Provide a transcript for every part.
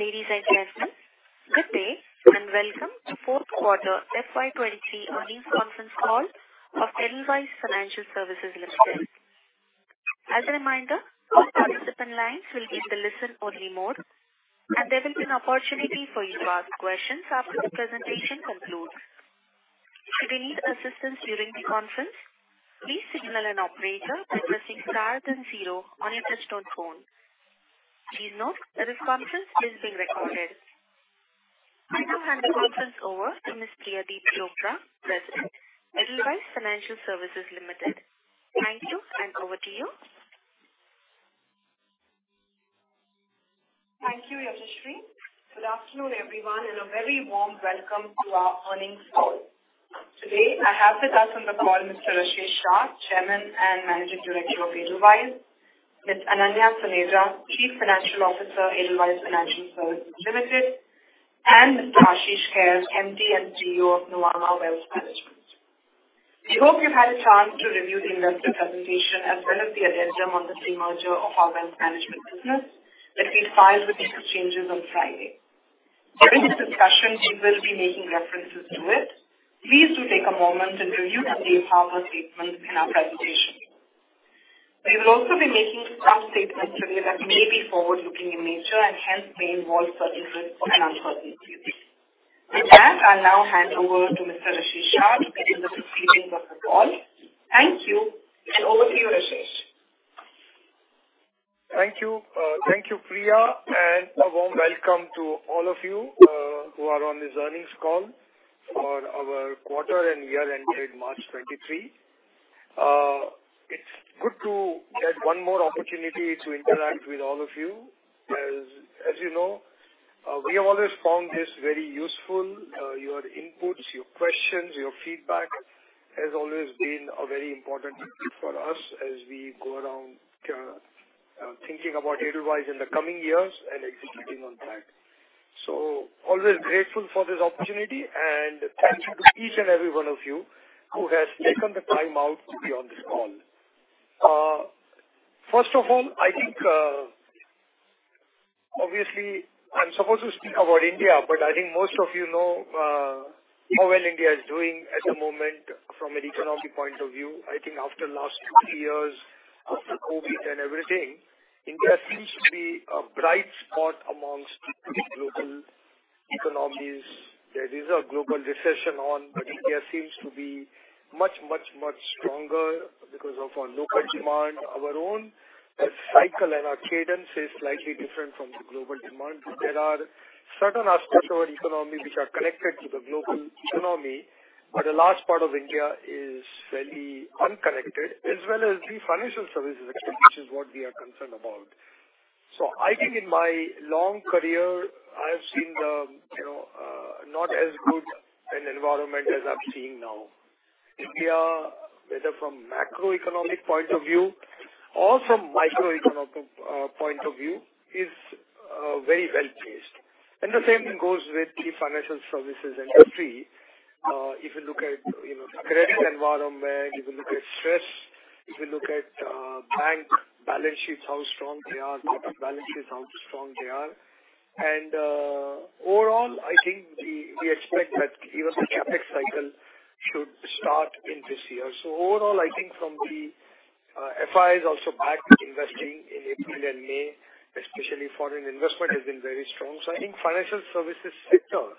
Ladies and gentlemen, good day, and welcome to Fourth Quarter FY23 Earnings Conference Call of Edelweiss Financial Services Limited. As a reminder, all participant lines will be in the listen-only mode, and there will be an opportunity for you to ask questions after the presentation concludes. Should you need assistance during the conference, please signal an operator by pressing star then zero on your touchtone phone. Please note this conference is being recorded. I now hand the conference over to Ms. Priyadeep Chopra, President, Edelweiss Financial Services Limited. Thank you, and over to you. Thank you, Yashashri. Good afternoon, everyone, and a very warm welcome to our earnings call. Today, I have with us on the call Mr. Rashesh Shah, Chairman and Managing Director of Edelweiss, Ms. Ananya Suneja, Chief Financial Officer, Edelweiss Financial Services Limited, and Mr. Ashish Kehair, MD & CEO of Nuvama Wealth Management. We hope you've had a chance to review the investor presentation as well as the addendum on the demerger of our wealth management business that we filed with the exchanges on Friday. During the discussion, we will be making references to it. Please do take a moment and review the safe harbor statement in our presentation. We will also be making some statements today that may be forward-looking in nature and hence may involve certain risks and uncertainties. With that, I'll now hand over to Mr. Rashesh Shah to begin the proceedings of the call. Thank you, and over to you, Rashesh. Thank you. Thank you, Priya, and a warm welcome to all of you who are on this earnings call for our quarter and year ended March 23. It's good to get one more opportunity to interact with all of you. As you know, we have always found this very useful. Your inputs, your questions, your feedback has always been a very important input for us as we go around thinking about Edelweiss in the coming years and executing on that. Always grateful for this opportunity, and thank you to each and every one of you who has taken the time out to be on this call. First of all, I think, obviously, I'm supposed to speak about India, but I think most of you know how well India is doing at the moment from an economic point of view. I think after the last two, three years of the COVID and everything, India seems to be a bright spot amongst global economies. There is a global recession on, but India seems to be much stronger because of our local demand. Our own cycle and our cadence is slightly different from the global demand. There are certain aspects of our economy which are connected to the global economy, but the last part of India is fairly unconnected, as well as the financial services sector, which is what we are concerned about. I think in my long career, I have seen the, you know, not as good an environment as I'm seeing now. India, whether from macroeconomic point of view or from microeconomic point of view, is very well-placed. The same thing goes with the financial services industry. If you look at, you know, the credit environment, if you look at stress, if you look at bank balance sheets, how strong they are, corporate balance sheets, how strong they are. Overall, I think we expect that even the CapEx cycle should start in this year. Overall, I think from the FIs also back to investing in April and May, especially foreign investment has been very strong. I think financial services sector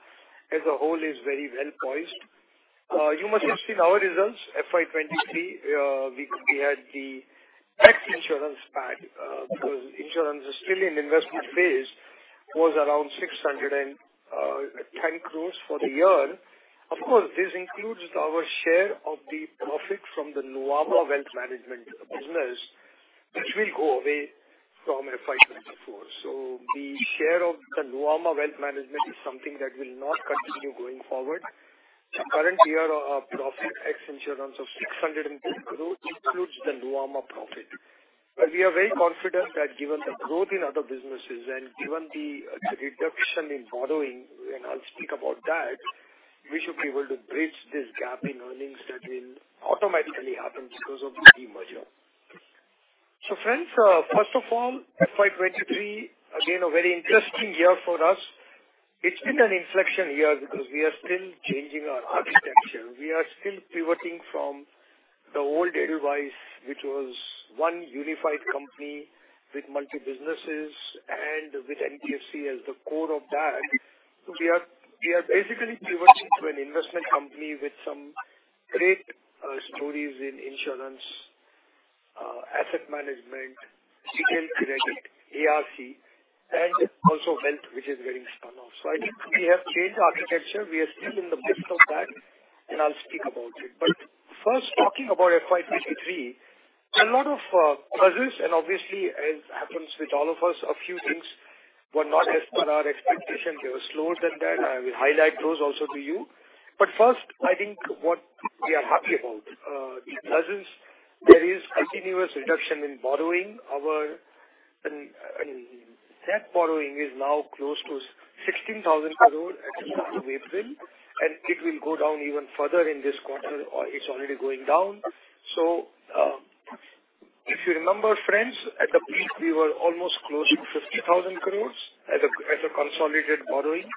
as a whole is very well poised. You must have seen our results, FY23. We had the tax insurance pack, because insurance is still in investment phase, was around 610 crores for the year. Of course, this includes our share of the profit from the Nuvama Wealth Management business, which will go away from FY24. The share of the Nuvama Wealth Management is something that will not continue going forward. The current year of profit, ex insurance of 610 crore, includes the Nuvama profit. We are very confident that given the growth in other businesses and given the reduction in borrowing, and I'll speak about that, we should be able to bridge this gap in earnings that will automatically happen because of the demerger. Friends, first of all, FY23, again, a very interesting year for us. It's been an inflection year because we are still changing our architecture. We are still pivoting from the old Edelweiss, which was one unified company with multi-businesses and with NBFC as the core of that. We are basically pivoting to an investment company with some great stories in insurance, asset management, retail credit, ARC, and also wealth, which is getting spun off. I think we have changed the architecture. We are still in the midst of that, and I'll speak about it. First, talking about FY23, a lot of puzzles, and obviously, as happens with all of us, a few things were not as per our expectation. They were slower than that. I will highlight those also to you. First, I think what we are happy about, the puzzles. There is continuous reduction in borrowing. Our debt borrowing is now close to 16,000 crore as of April, and it will go down even further in this quarter, or it's already going down. If you remember, friends, at the peak, we were almost close to 50,000 crore as a consolidated borrowing.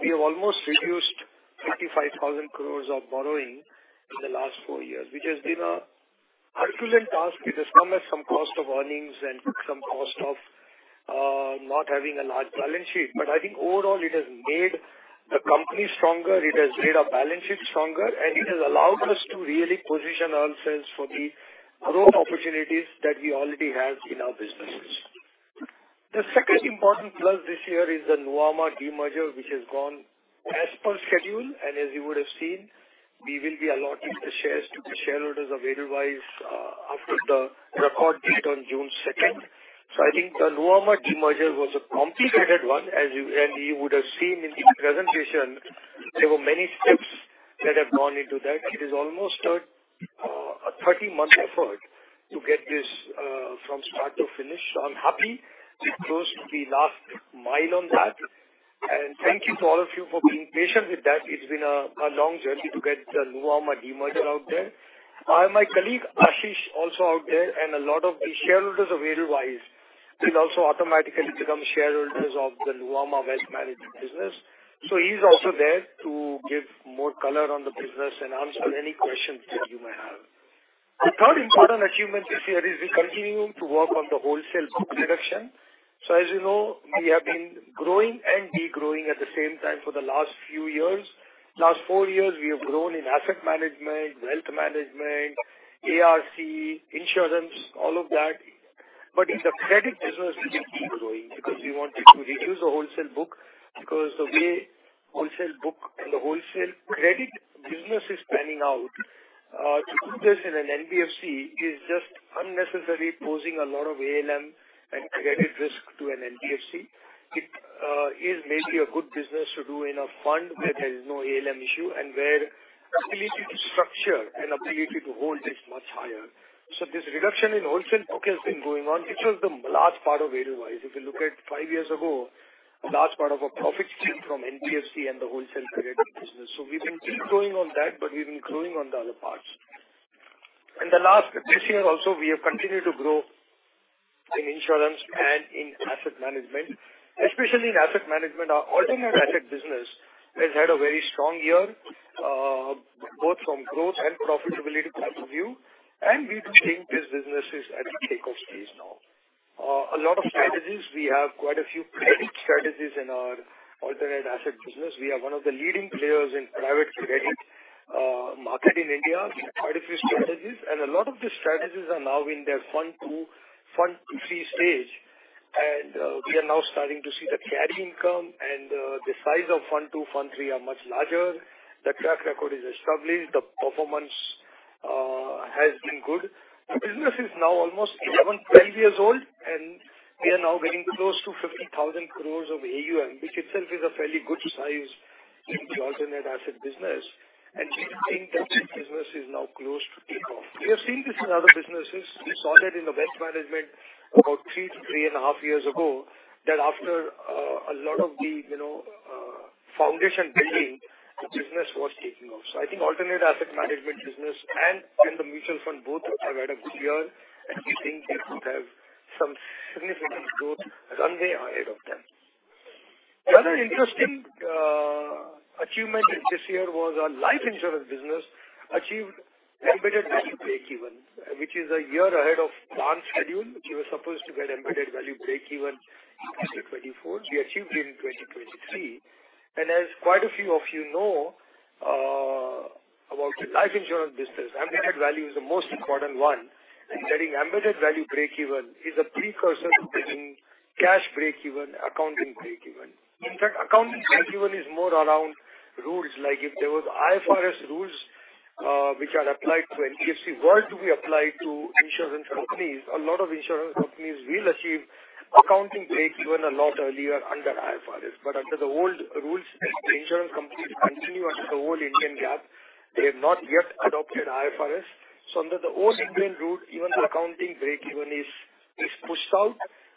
We have almost reduced 55,000 crore of borrowing in the last four years, which has been a herculean task. It has come at some cost of earnings and some cost of not having a large balance sheet. I think overall, it has made the company stronger, it has made our balance sheet stronger, and it has allowed us to really position ourselves for the growth opportunities that we already have in our businesses. The second important plus this year is the Nuvama demerger, which has gone as per schedule. As you would have seen, we will be allotting the shares to the shareholders of Edelweiss after the record date on June 2nd. I think the Nuvama demerger was a complicated one. You would have seen in the presentation, there were many steps that have gone into that. It is almost a 30-month effort to get this from start to finish. I'm happy we're close to the last mile on that. Thank you to all of you for being patient with that. It's been a long journey to get the Nuvama demerger out there. My colleague, Ashish, also out there. A lot of the shareholders of Edelweiss will also automatically become shareholders of the Nuvama Wealth Management business. He's also there to give more color on the business and answer any questions that you may have. The third important achievement this year is we're continuing to work on the wholesale book reduction. As you know, we have been growing and de-growing at the same time for the last few years. Last four years, we have grown in asset management, wealth management, ARC, insurance, all of that. In the credit business, we keep growing because we wanted to reduce the wholesale book, because the way wholesale book and the wholesale credit business is panning out, to do this in an NBFC is just unnecessarily posing a lot of ALM and credit risk to an NBFC. It is maybe a good business to do in a fund where there is no ALM issue and where the ability to structure and ability to hold is much higher. This reduction in wholesale book has been going on, which was the large part of Edelweiss. If you look at five years ago, a large part of our profits came from NBFC and the wholesale credit business. We've been de-growing on that, but we've been growing on the other parts. The last, this year also, we have continued to grow in insurance and in asset management. Especially in asset management, our alternate asset business has had a very strong year, both from growth and profitability point of view, and we think this business is at a takeoff stage now. A lot of strategies, we have quite a few credit strategies in our alternate asset business. We are one of the leading players in private credit, market in India. Quite a few strategies, and a lot of the strategies are now in their fund 2, fund 3 stage. We are now starting to see the carry income and the size of fund two, fund three are much larger. The track record is established, the performance has been good. The business is now almost 11, 12 years old. We are now getting close to 50,000 crores of AUM, which itself is a fairly good size in the alternate asset business, and we think that this business is now close to takeoff. We have seen this in other businesses. We saw that in the best management about three to three and a half years ago, that after a lot of the, you know, foundation building, the business was taking off. I think alternate asset management business and in the mutual fund both have had a good year, and we think they could have some significant growth runway ahead of them. The other interesting achievement this year was our life insurance business achieved embedded value breakeven, which is a year ahead of planned schedule. We were supposed to get embedded value breakeven after 2024. We achieved it in 2023. As quite a few of you know, about the life insurance business, embedded value is the most important one, and getting embedded value breakeven is a precursor to getting cash breakeven, accounting breakeven. In fact, accounting breakeven is more around rules, like if there was IFRS rules, which are applied to NBFC, were to be applied to insurance companies, a lot of insurance companies will achieve accounting breakeven a lot earlier under IFRS. Under the old rules, the insurance companies continue under the old Indian GAAP. They have not yet adopted IFRS. Under the old Indian rule, even the accounting breakeven is pushed out.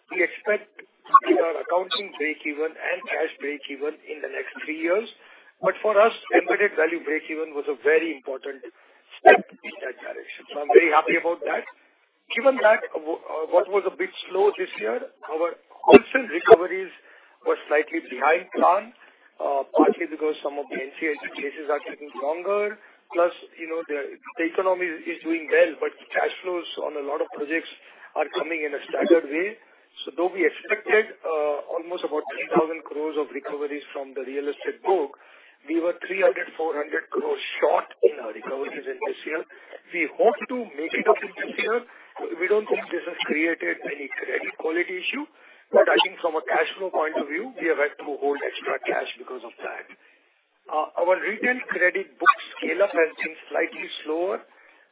We expect our accounting breakeven and cash breakeven in the next three years. For us, embedded value breakeven was a very important step in that direction. I'm very happy about that. Given that, what was a bit slow this year, our wholesale recoveries were slightly behind plan, partly because some of the NCLT cases are taking longer. Plus, you know, the economy is doing well, but cash flows on a lot of projects are coming in a staggered way. Though we expected almost about 3,000 crores of recoveries from the real estate book, we were 300-400 crores short in our recoveries in this year. We hope to make it up in this year. We don't think this has created any credit quality issue. I think from a cash flow point of view, we have had to hold extra cash because of that. Our retail credit book scale-up has been slightly slower.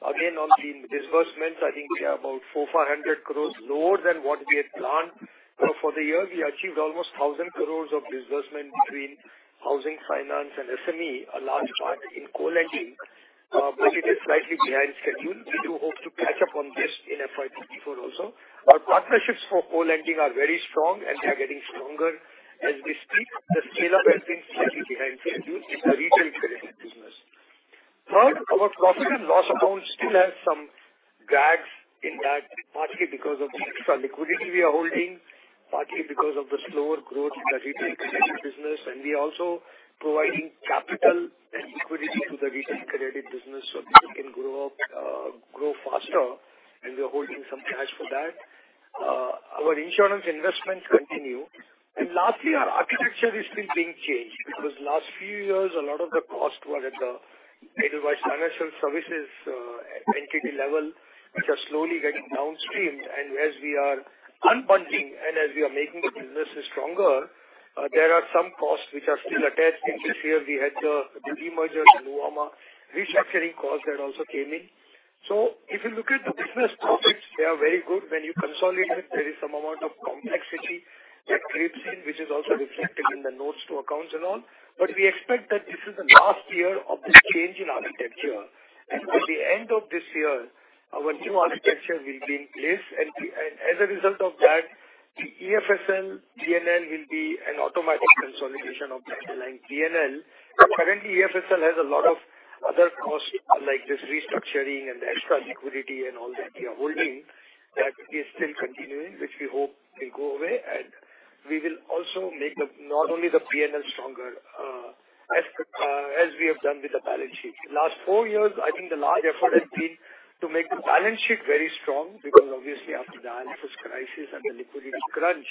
Again, on the disbursements, I think we are about 400-500 crores lower than what we had planned. For the year, we achieved almost 1,000 crores of disbursement between housing, finance, and SME, a large part in co-lending. It is slightly behind schedule. We do hope to catch up on this in FY24 also. Our partnerships for co-lending are very strong. They are getting stronger. As we speak, the scale-up has been slightly behind schedule in the retail credit business. Third, our profit and loss amounts still have some drags in that, partly because of the extra liquidity we are holding, partly because of the slower growth in the retail credit business. We are also providing capital and liquidity to the retail credit business so people can grow faster. We are holding some cash for that. Our insurance investments continue. Lastly, our architecture is still being changed, because last few years, a lot of the costs were at the Edelweiss Financial Services entity level, which are slowly getting downstreamed. As we are unbundling and as we are making the businesses stronger, there are some costs which are still attached. In this year, we had the demerger in Nuvama, restructuring costs that also came in. If you look at the business profits, they are very good. When you consolidate, there is some amount of complexity that creeps in, which is also reflected in the notes to accounts and all. We expect that this is the last year of this change in architecture, and at the end of this year, our new architecture will be in place. we, and as a result of that, the EFSL P&L will be an automatic consolidation of the underlying P&L. Currently, EFSL has a lot of other costs, like this restructuring and the extra liquidity and all that we are holding, that is still continuing, which we hope will go away. we will also make the not only the P&L stronger, as the, as we have done with the balance sheet. Last four years, I think the large effort has been to make the balance sheet very strong, because obviously after the crisis and the liquidity crunch,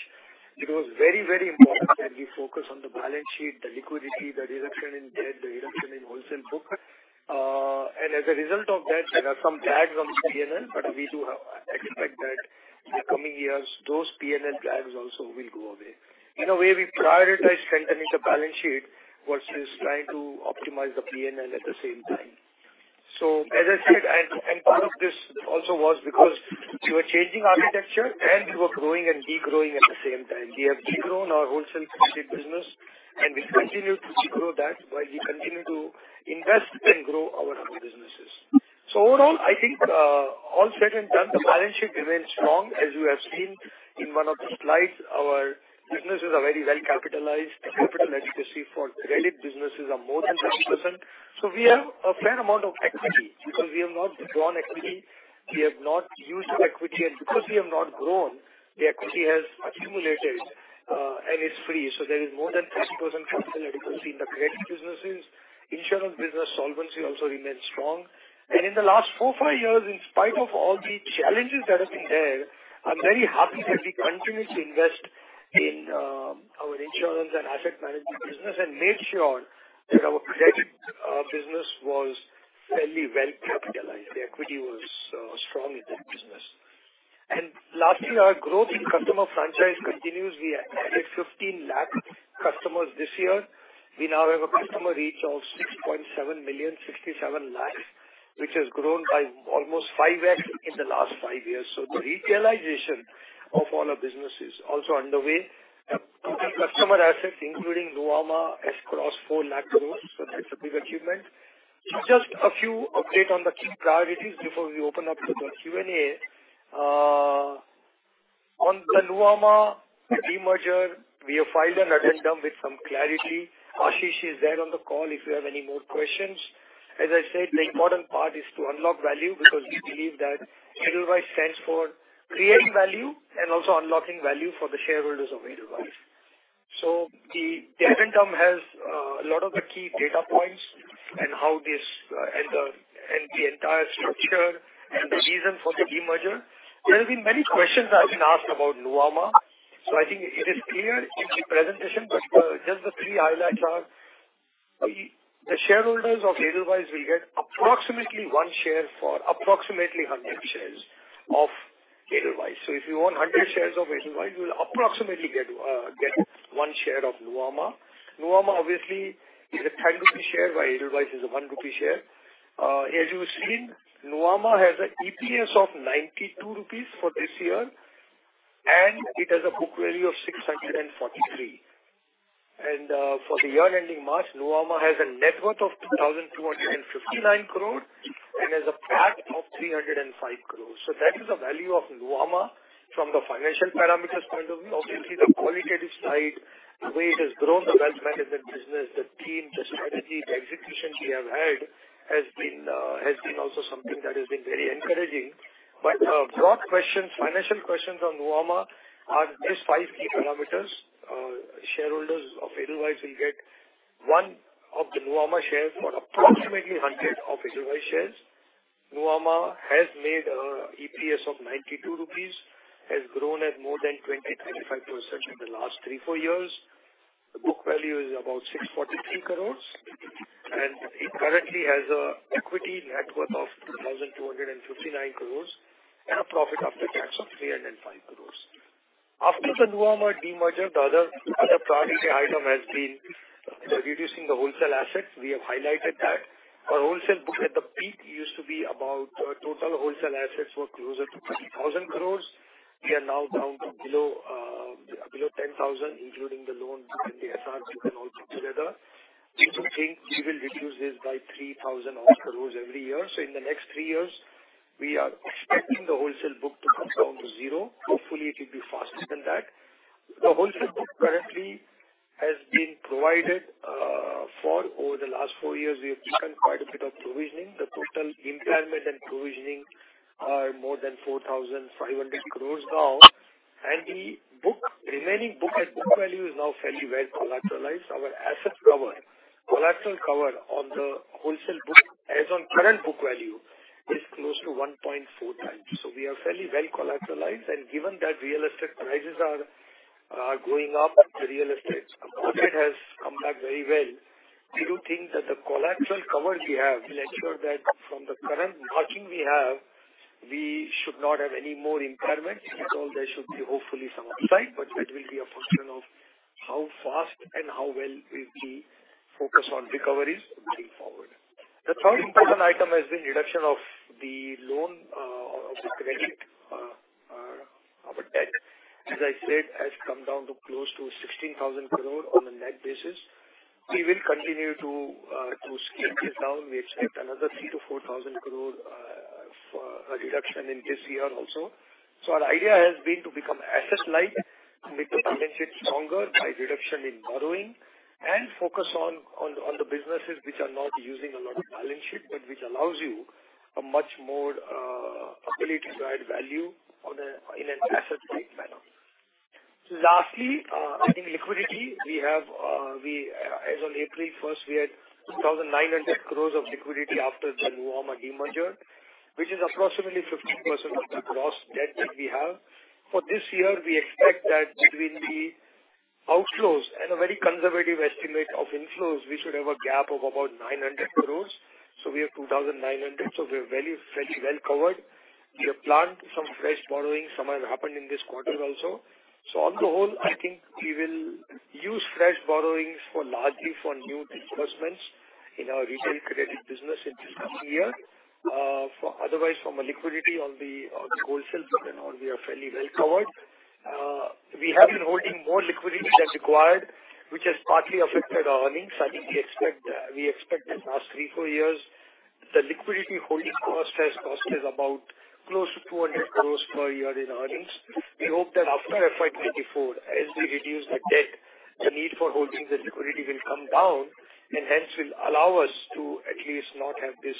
it was very, very important that we focus on the balance sheet, the liquidity, the reduction in debt, the reduction in wholesale book. As a result of that, there are some drags on P&L, but we do expect that in the coming years, those P&L drags also will go away. In a way, we prioritize strengthening the balance sheet versus trying to optimize the P&L at the same time. As I said, and part of this also was because we were changing architecture and we were growing and degrowing at the same time. We have degrown our wholesale credit business, and we continue to degrow that while we continue to invest and grow our other businesses. Overall, I think, all said and done, the balance sheet remains strong. As you have seen in one of the slides, our businesses are very well capitalized. The capital adequacy for credit businesses are more than 30%. We have a fair amount of equity, because we have not drawn equity, we have not used equity, and because we have not grown, the equity has accumulated, and it's free. There is more than 30% capital adequacy in the credit businesses. Insurance business solvency also remains strong. In the last four, five years, in spite of all the challenges that have been there, I'm very happy that we continued to invest in our insurance and asset management business and made sure that our credit business was fairly well capitalized. The equity was strong in that business. Lastly, our growth in customer franchise continues. We added 15 lakh customers this year. We now have a customer reach of 6.7 million, 67 lakh, which has grown by almost 5x in the last five years. The retailization of all our business is also underway. Total customer assets, including Nuvama, has crossed 40,000 crore. That's a big achievement. Just a few update on the key priorities before we open up to the Q&A. On the Nuvama demerger, we have filed an addendum with some clarity. Ashish is there on the call, if you have any more questions. As I said, the important part is to unlock value, because we believe that Edelweiss stands for creating value and also unlocking value for the shareholders of Edelweiss. The addendum has a lot of the key data points and how this and the entire structure and the reason for the demerger. There have been many questions that have been asked about Nuvama. I think it is clear in the presentation, but just the three highlights are: the shareholders of Edelweiss will get approximately one share for approximately 100 shares of Edelweiss. If you own 100 shares of Edelweiss, you will approximately get one share of Nuvama. Nuvama, obviously, is an 10 rupee share, while Edelweiss is an 1 rupee share. As you've seen, Nuvama has an EPS of 92 rupees for this year, and it has a book value of 643. For the year-ending March, Nuvama has a net worth of 2,259 crore and has a PAT of 305 crore. That is the value of Nuvama from the financial parameters point of view. Obviously, the qualitative side, the way it has grown the wealth management business, the team, the strategy, the execution we have had has been also something that has been very encouraging. Broad questions, financial questions on Nuvama are these five key parameters. Shareholders of Edelweiss will get one of the Nuvama shares for approximately 100 of Edelweiss shares. Nuvama has made a EPS of 92 rupees, has grown at more than 20%-25% in the last three, four years. The book value is about 643 crores, and it currently has an equity net worth of 2,259 crores and a profit after tax of 305 crores. After the Nuvama demerger, the other priority item has been reducing the wholesale assets. We have highlighted that. Total wholesale assets were closer to 30,000 crores. We are now down to below 10,000, including the loans and the SRs and all together. We do think we will reduce this by 3,000 crores every year. In the next three years, we are expecting the wholesale book to come down to zero. Hopefully, it will be faster than that. The wholesale book currently has been provided for over the last four years, we have done quite a bit of provisioning. The total impairment and provisioning are more than 4,500 crores now, and the remaining book at book value is now fairly well collateralized. Our asset cover, collateral cover on the wholesale book as on current book value is close to 1.4 times. We are fairly well collateralized, and given that real estate prices are going up, the real estate market has come back very well. We do think that the collateral cover we have will ensure that from the current margin we have, we should not have any more impairment at all. There should be hopefully some upside, but that will be a function of how fast and how well we focus on recoveries moving forward. The third important item has been reduction of the loan, or of the credit, our debt, as I said, has come down to close to 16,000 crore on a net basis. We will continue to scale this down. We expect another 3,000-4,000 crore for a reduction in this year also. Our idea has been to become asset light, make the balance sheet stronger by reduction in borrowing and focus on the businesses which are not using a lot of balance sheet, but which allows you a much more ability to add value on a, in an asset light manner. Lastly, I think liquidity we have, we as on April 1st, we had 2,900 crore of liquidity after the Nuvama demerger, which is approximately 50% of the gross debt that we have. For this year, we expect that between the outflows and a very conservative estimate of inflows, we should have a gap of about 900 crore. We have 2,900, so we are very, fairly well covered. We have planned some fresh borrowings. Some have happened in this quarter also. On the whole, I think we will use fresh borrowings for largely for new disbursements in our retail credit business in this coming year. For otherwise from a liquidity on the, on the wholesale front and all, we are fairly well covered. We have been holding more liquidity than required, which has partly affected our earnings. I think we expect we expect the past three, four years, the liquidity holding cost has cost us about close to 200 crores per year in earnings. We hope that after FY24, as we reduce the debt, the need for holding the liquidity will come down and hence will allow us to at least not have this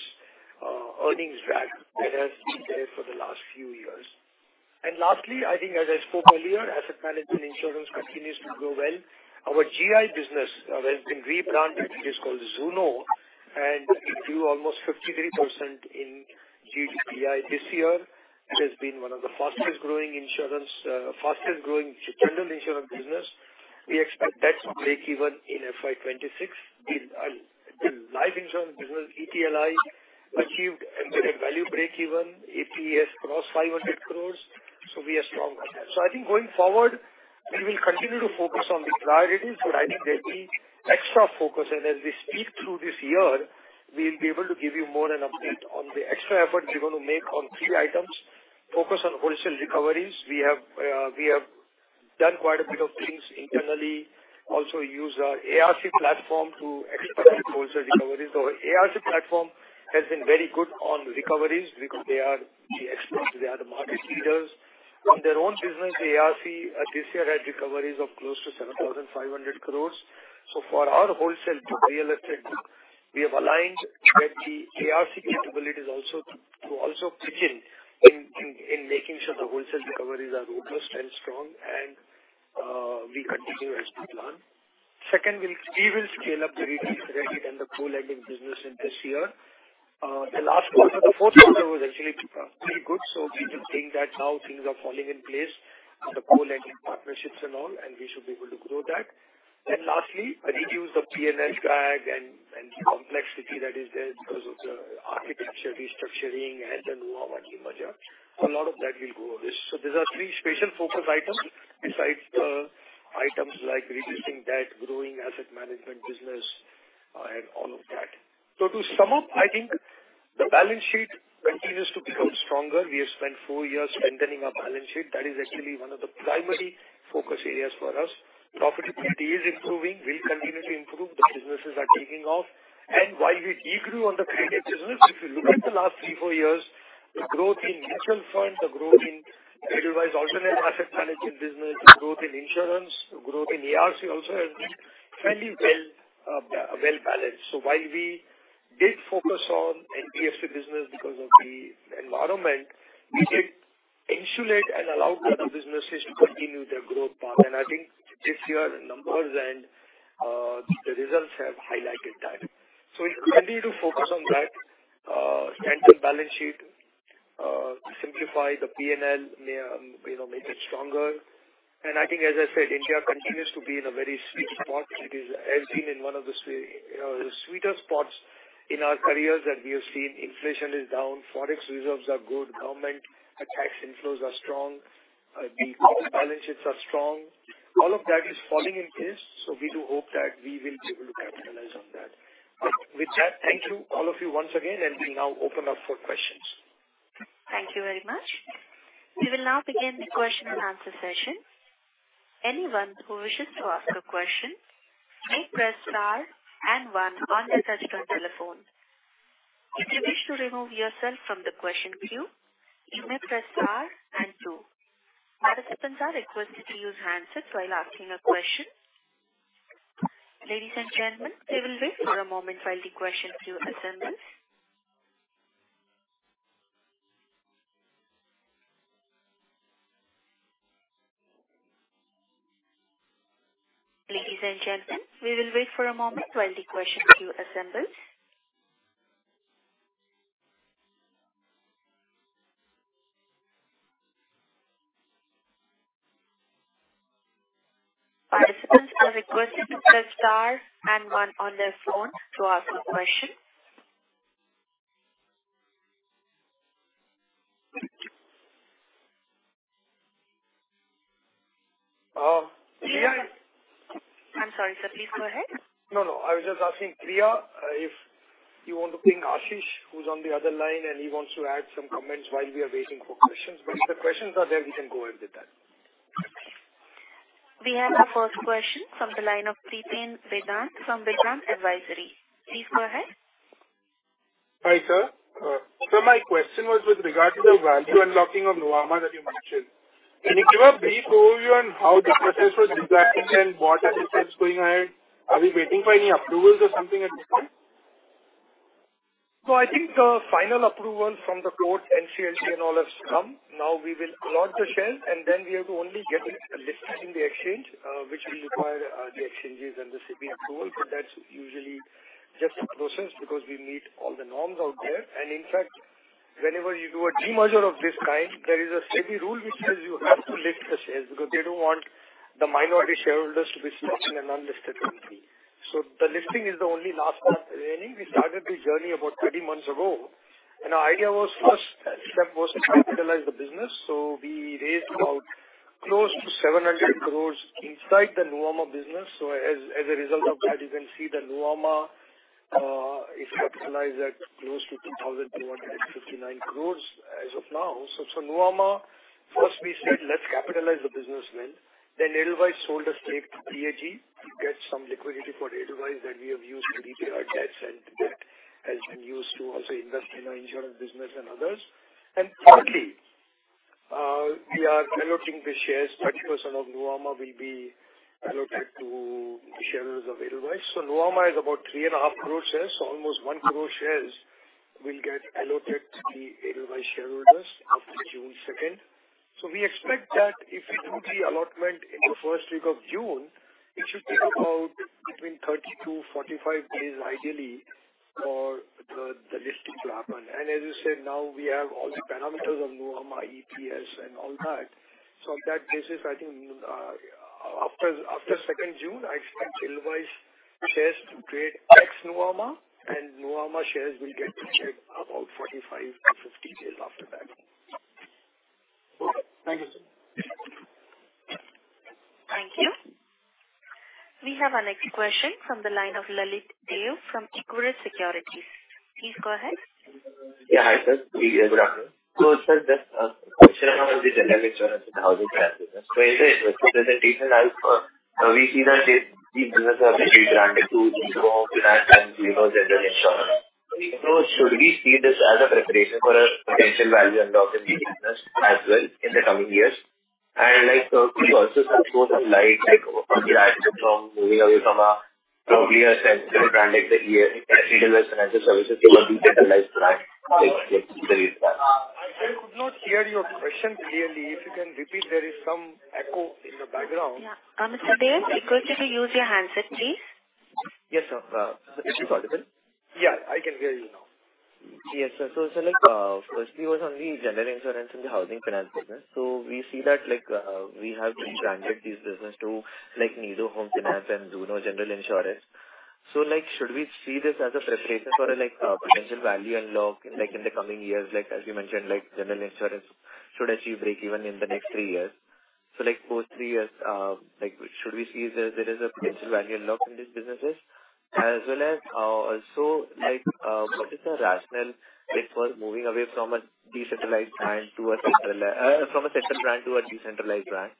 earnings drag that has been there for the last few years. Lastly, I think as I spoke earlier, asset management insurance continues to do well. Our GI business has been rebranded. It is called Zuno, and we do almost 53% in GDPI this year. It has been one of the fastest growing insurance, fastest growing general insurance business. We expect that to break even in FY26. The live insurance business, ETLI, achieved a value breakeven, ETS cross 500 crores. We are strong on that. I think going forward, we will continue to focus on the priorities. I think there will be extra focus and as we speak through this year, we will be able to give you more an update on the extra effort we're going to make on three items. Focus on wholesale recoveries. We have done quite a bit of things internally. Use our ARC platform to expand wholesale recoveries. ARC platform has been very good on recoveries because they are the experts, they are the market leaders. On their own business, ARC this year had recoveries of close to 7,500 crores. For our wholesale to real estate, we have aligned with the ARC capabilities to also pitch in making sure the wholesale recoveries are robust and strong and we continue as we plan. Second, we'll scale up the retail credit and the co-lending business in this year. The last quarter, the fourth quarter was actually pretty good, we do think that now things are falling in place with the co-lending partnerships and all, and we should be able to grow that. Lastly, reduce the P&L drag and complexity that is there because of the architecture restructuring and the Nuvama demerger. A lot of that will go away. These are three special focus items, besides the items like reducing debt, growing asset management business, and all of that. To sum up, I think the balance sheet continues to become stronger. We have spent four years strengthening our balance sheet. That is actually one of the primary focus areas for us. Profitability is improving, will continue to improve. The businesses are taking off. While we de-grew on the credit business, if you look at the last three, four years, the growth in mutual fund, the growth in otherwise alternate asset management business, the growth in insurance, the growth in ARC also has been fairly well balanced. While we did focus on NBFC business because of the environment, we did insulate and allow the other businesses to continue their growth path. I think this year, the numbers and the results have highlighted that. We continue to focus on that, strengthen balance sheet, simplify the P&L, you know, make it stronger. I think, as I said, India continues to be in a very sweet spot. It has been in one of the sweeter spots in our careers that we have seen. Inflation is down, Forex reserves are good, government tax inflows are strong, the balance sheets are strong. All of that is falling in place, so we do hope that we will be able to capitalize on that. With that, thank you, all of you, once again, and we now open up for questions. Thank you very much. We will now begin the question and answer session. Anyone who wishes to ask a question may press star one on their touch-tone telephone. If you wish to remove yourself from the question queue, you may press star two. Participants are requested to use handsets while asking a question. Ladies and gentlemen, we will wait for a moment while the question queue assembles. Ladies and gentlemen, we will wait for a moment while the question queue assembles. Participants are requested to press star one on their phone to ask a question. Uh, yeah I'm sorry, sir. Please go ahead. No, no. I was just asking Priya, if you want to ping Ashish, who's on the other line, and he wants to add some comments while we are waiting for questions. If the questions are there, we can go ahead with that. We have our first question from the line from Vedant Advisory. Please go ahead. Hi, sir. My question was with regard to the value unlocking of Nuvama that you mentioned. Can you give a brief overview on how the process was exactly, and what are the steps going ahead? Are we waiting for any approvals or something at this point? I think the final approval from the court NCLT and all has come. Now we will launch the share, and then we have to only get it listed in the exchange, which will require the exchanges and the SEBI approval. That's usually just a process because we meet all the norms out there. In fact, whenever you do a demerger of this kind, there is a SEBI rule which says you have to list the shares, because they don't want the minority shareholders to be stuck in an unlisted company. The listing is the only last part remaining. We started this journey about 30 months ago, and our idea was first, step was to capitalize the business. We raised about close to 700 crores inside the Nuvama business. As a result of that, you can see that Nuvama is capitalized at close to 2,159 crores as of now. Nuvama, first we said, "Let's capitalize the business then." Edelweiss sold a stake to PAG to get some liquidity for Edelweiss that we have used to repay our debts, and that has been used to also invest in our insurance business and others. Thirdly, we are allocating the shares. 30% of Nuvama will be allocated to the shareholders of Edelweiss. Nuvama is about 3.5 crore shares. Almost 1 crore shares will get allotted to the Edelweiss shareholders after June 2. We expect that if we do the allotment in the first week of June, it should take about between 30-45 days, ideally, for the listing to happen. As you said, now we have all the parameters of Nuvama, EPS and all that. On that basis, I think, after second June, I expect Edelweiss shares to trade ex-Nuvama, and Nuvama shares will get traded about 45 to 50 days after that. Okay. Thank you, sir. Thank you. We have our next question from the line of Lalit Deo from Equirus Securities. Please go ahead. Yeah. Hi, sir. Good afternoon. Sir, just, we see that this business has been granted to Nido Home Finance and Zuno General Insurance. Should we see this as a preparation for a potential value unlock in the business as well in the coming years? Like, could you also shed some light, like, from moving away from a probably a central brand, like the Edelweiss Financial Services to a decentralized brand, like Zuno brand? I could not hear your question clearly. If you can repeat, there is some echo in the background. Yeah. Sir Deo, could you use your handset, please? Yes, sir. Is it audible? Yeah, I can hear you now. Yes, sir. Sir, like, firstly, it was on the general insurance and the housing finance business. We see that, like, we have granted this business to, like, Nido Home Finance and Zuno General Insurance. Should we see this as a preparation for a, like, a potential value unlock, like, in the coming years? Like, as you mentioned, like, general insurance should achieve breakeven in the next three years. For three years, like, should we see there is a potential value unlock in these businesses? As well as, also, like, what is the rationale before moving away from a decentralized brand to a from a central brand to a decentralized brand?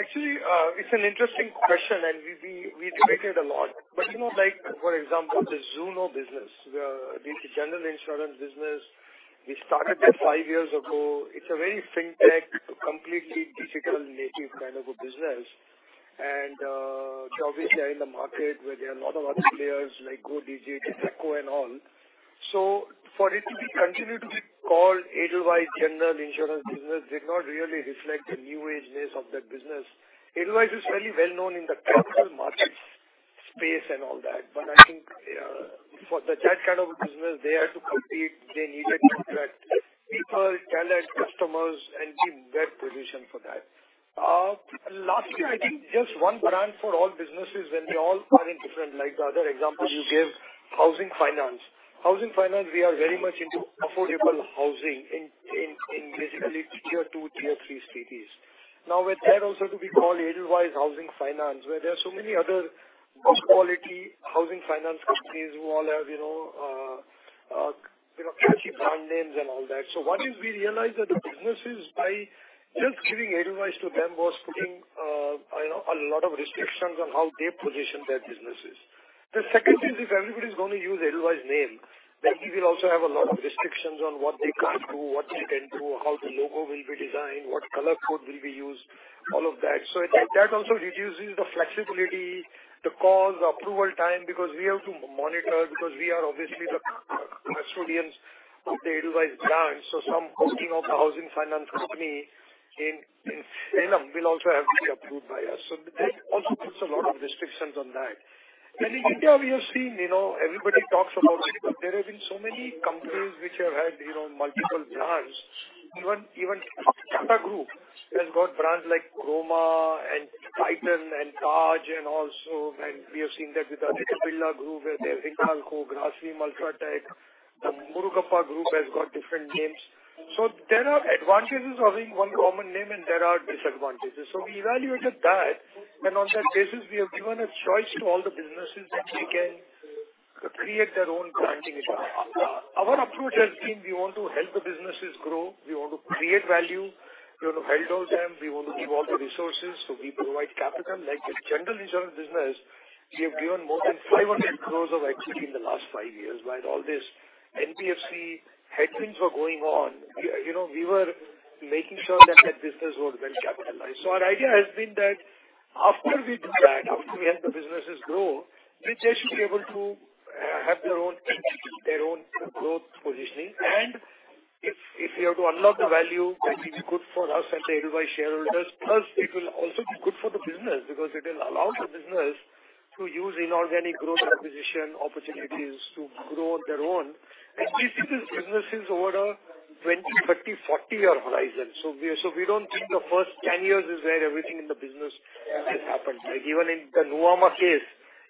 Actually, it's an interesting question, and we debated a lot. You know, like, for example, the Zuno business, the general insurance business, we started that five years ago. It's a very fintech, completely digital native kind of a business. Obviously in the market where there are a lot of other players like Acko, Tata AIG and all. For it to be continued to be called Edelweiss General Insurance Business, did not really reflect the new age-ness of that business. Edelweiss is very well known in the corporate markets space and all that, but I think, for that kind of a business, they had to compete. They needed to attract people, talent, customers, and be in the right position for that. Lastly, I think just one brand for all businesses, they all are in different, like the other example you gave, housing finance. Housing finance, we are very much into affordable housing in basically tier 2, tier 3 cities. With that also to be called Edelweiss Housing Finance, where there are so many other quality housing finance companies who all have, you know, brand names and all that. What is we realize that the businesses, by just giving Edelweiss to them, was putting, you know, a lot of restrictions on how they position their businesses. The second is, if everybody's going to use Edelweiss name, then we will also have a lot of restrictions on what they can't do, what they can do, how the logo will be designed, what color code will be used, all of that. That also reduces the flexibility, the cost, approval time, because we have to monitor, because we are obviously the custodians of the Edelweiss brand. Some booking of the housing finance company in will also have to be approved by us. That also puts a lot of restrictions on that. In India, we have seen, you know, everybody talks about it, but there have been so many companies which have had, you know, multiple brands. Tata Group has got brands like Croma and Titan and Taj and also, and we have seen that with the Aditya Birla Group, where they have Hindalco, Grasim, UltraTech. The Murugappa Group has got different names. There are advantages of having one common name and there are disadvantages. We evaluated that, and on that basis, we have given a choice to all the businesses that they can create their own branding. Our approach has been, we want to help the businesses grow, we want to create value, we want to build out them, we want to give all the resources. We provide capital. Like in general insurance business, we have given more than 500 crores of equity in the last five years. While all this NBFC headwinds were going on, we, you know, we were making sure that that business was well capitalized. Our idea has been that after we do that, after we help the businesses grow, they should be able to have their own, their own growth positioning. If we have to unlock the value, that will be good for us and the Edelweiss shareholders, plus it will also be good for the business, because it will allow the business to use inorganic growth acquisition opportunities to grow on their own. We see these businesses over a 20, 30, 40-year horizon. We don't think the first 10 years is where everything in the business has happened. Like even in the Nuvama case,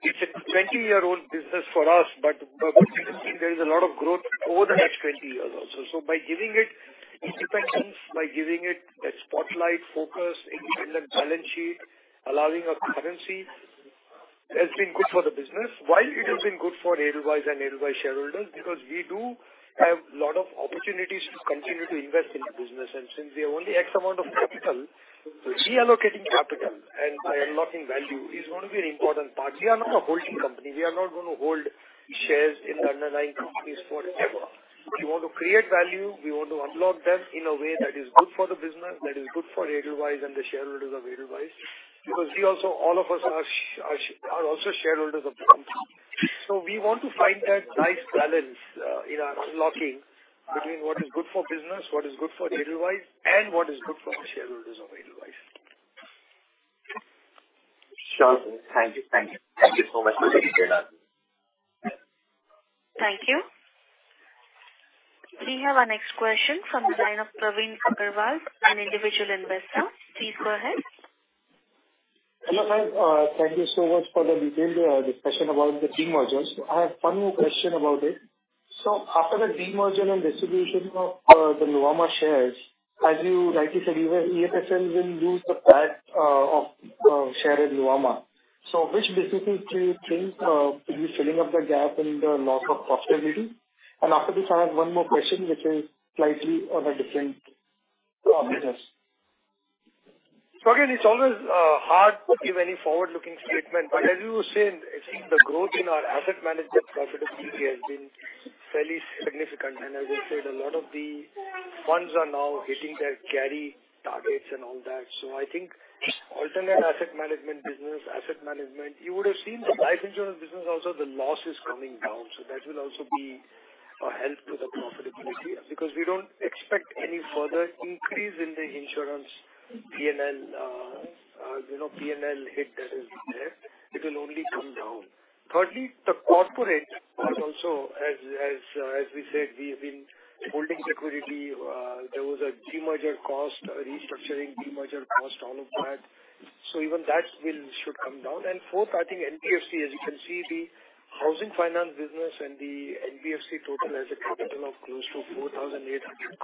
it's a 20-year-old business for us, but there is a lot of growth over the next 20 years also. By giving it independence, by giving it a spotlight focus in the balance sheet, allowing a currency, it's been good for the business. Why it has been good for Edelweiss and Edelweiss shareholders, because we do have a lot of opportunities to continue to invest in the business. Since we have only X amount of capital, reallocating capital and by unlocking value is going to be an important part. We are not a holding company. We are not going to hold shares in the underlying companies forever. We want to create value. We want to unlock them in a way that is good for the business, that is good for Edelweiss and the shareholders of Edelweiss, because we also all of us are also shareholders of the company. So we want to find that nice balance in unlocking between what is good for business, what is good for Edelweiss, and what is good for the shareholders of Edelweiss. Sure. Thank you. Thank you. Thank you so much for the detailed answer. Thank you. We have our next question from the line of an individual investor. Please go ahead. Hello, ma'am. Thank you so much for the detailed discussion about the demergers. I have one more question about it. After the demerger and distribution of the Nuvama shares, as you rightly said, even EFSL will lose the fact of share in Nuvama. Which businesses do you think will be filling up the gap in the loss of profitability? After this, I have one more question, which is slightly on a different business. Again, it's always hard to give any forward-looking statement. As you were saying, I think the growth in our asset management profitability has been fairly significant. As we said, a lot of the funds are now hitting their carry targets and all that. I think alternate asset management business. You would have seen the life insurance business also, the loss is coming down. That will also be a help to the profitability, because we don't expect any further increase in the insurance P&L, you know, P&L hit that is there. It will only come down. Thirdly, the corporate also, as we said, we have been holding security. There was a demerger cost, a restructuring, demerger cost, all of that. Even that will should come down. Fourth, I think NBFC, as you can see, the housing finance business and the NBFC total has a capital of close to 4,800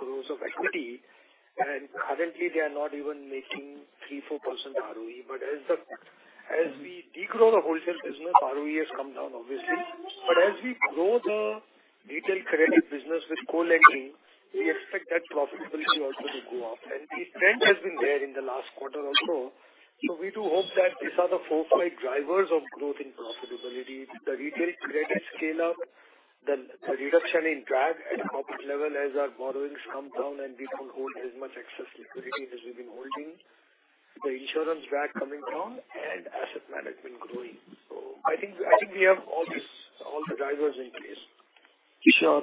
crores of equity, and currently they are not even making 3%-4% ROE. As we de-grow the wholesale business, ROE has come down, obviously. As we grow the retail credit business with co-lending, we expect that profitability also to go up. The trend has been there in the last quarter also. We do hope that these are the four, five drivers of growth in profitability. The retail credit scale-up, the reduction in drag at a corporate level as our borrowings come down and we don't hold as much excess liquidity as we've been holding, the insurance drag coming down and asset management growing. I think we have all the drivers in place. Sure.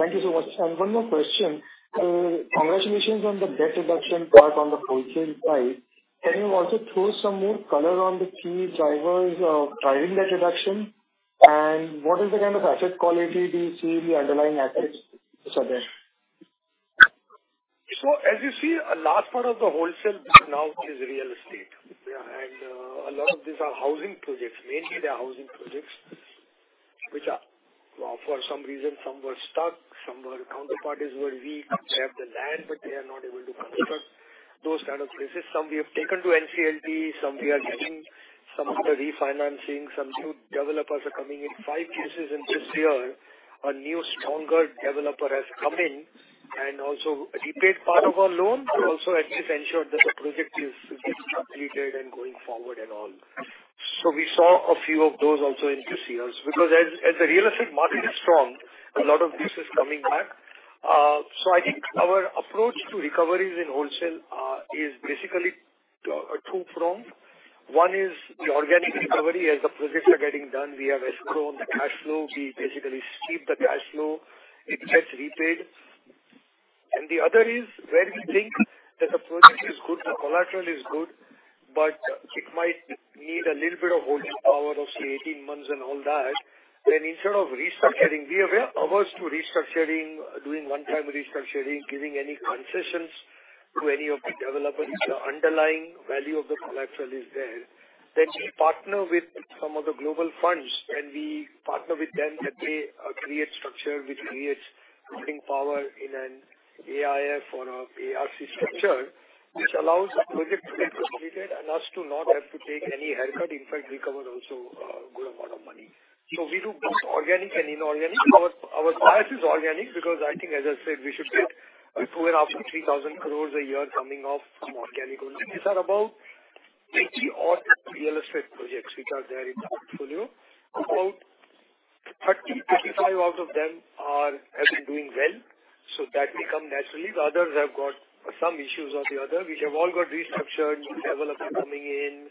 Thank you so much. One more question. Congratulations on the debt reduction part on the wholesale side. Can you also throw some more color on the key drivers driving that reduction? And what is the kind of asset quality do you see the underlying assets that are there? As you see, a large part of the wholesale now is real estate. A lot of these are housing projects. Mainly, they are housing projects, which are for some reason, some were stuck, some were counterparties were weak. They have the land, but they are not able to construct. Those kind of places. Some we have taken to NCLT, some we are getting some other refinancing, some new developers are coming in. Five cases in this year, a new stronger developer has come in and also repaid part of our loan and also actually ensured that the project is getting completed and going forward and all. We saw a few of those also in this year. As the real estate market is strong, a lot of this is coming back. I think our approach to recoveries in wholesale is basically two-pronged. One is the organic recovery. As the projects are getting done, we have escrow, the cash flow, we basically keep the cash flow, it gets repaid. The other is where we think that the project is good, the collateral is good, but it might need a little bit of holding power of, say, 18 months and all that. Instead of restructuring, we are averse to restructuring, doing one-time restructuring, giving any concessions to any of the developers. If the underlying value of the collateral is there, then we partner with some of the global funds. We partner with them that they create structure which creates holding power in an AIF or a ARC structure, which allows the project to get completed and us to not have to take any haircut, in fact, recover also a good amount of money. We do both organic and inorganic. Our, our bias is organic, because I think, as I said, we should get around 3,000 crores a year coming off from organic. These are about 80 odd real estate projects which are there in the portfolio. About 30-35 out of them have been doing well, so that become naturally. The others have got some issues or the other, which have all got restructured, new developer coming in,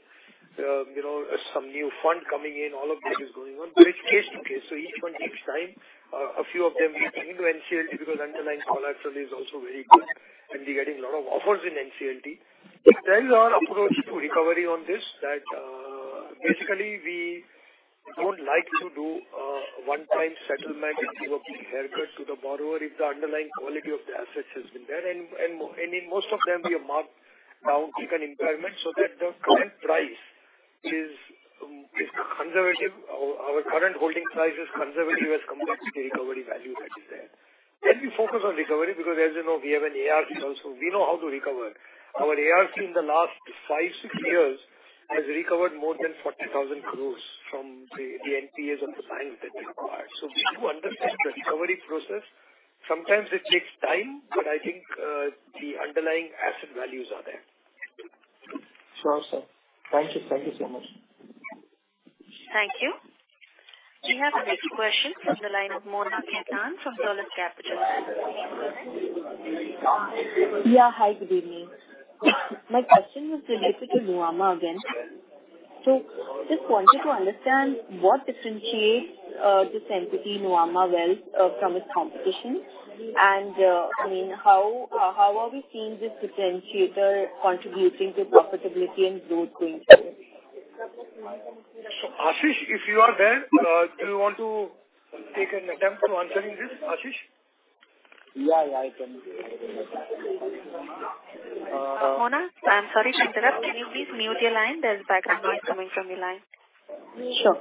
you know, some new fund coming in. All of that is going on, but it's case to case. Each one takes time. A few of them we've taken to NCLT because underlying collateral is also very good and we're getting a lot of offers in NCLT. That is our approach to recovery on this, that basically we don't like to do one-time settlement and give a haircut to the borrower if the underlying quality of the assets has been there. In most of them, we have marked down taken impairment so that the current price is conservative. Our current holding price is conservative as compared to the recovery value that is there. We focus on recovery because, as you know, we have an ARC also. We know how to recover. Our ARC in the last five, six years has recovered more than 40,000 crores from the NPAs of the bank that they acquired. We do understand the recovery process. Sometimes it takes time, but I think the underlying asset values are there. Sure, sir. Thank you. Thank you so much. Thank you. We have the next question from the line of Mona Khetan from Dolat Capital. Yeah. Hi, good evening. My question was related to Nuvama again. Just wanted to understand what differentiates this entity, Nuvama Wealth, from its competition? I mean, how are we seeing this differentiator contributing to profitability and growth going forward? Ashish, if you are there, do you want to take an attempt on answering this, Ashish? Yeah, I can. Mona, I'm sorry to interrupt. Can you please mute your line? There's background noise coming from your line. Sure.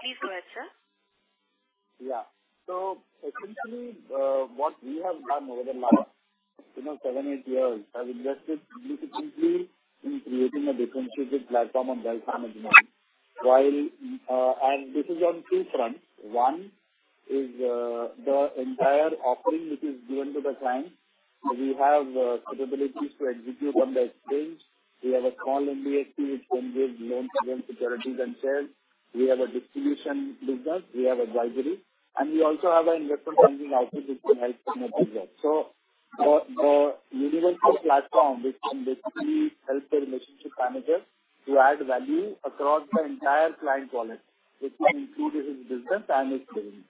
Please go ahead, sir. Yeah. Essentially, what we have done over the last, you know, seven, eight years, have invested significantly in creating a differentiated platform on wealth management. While this is on two fronts. One is the entire offering, which is given to the client. We have capabilities to execute on the exchange. We have a call NBFC, which can give loans against securities and shares. We have a distribution business, we have advisory, and we also have an investment banking outfit which can help in that as well. The, the universal platform, which can basically help the relationship manager to add value across the entire client wallet, which will include his business and his delivery.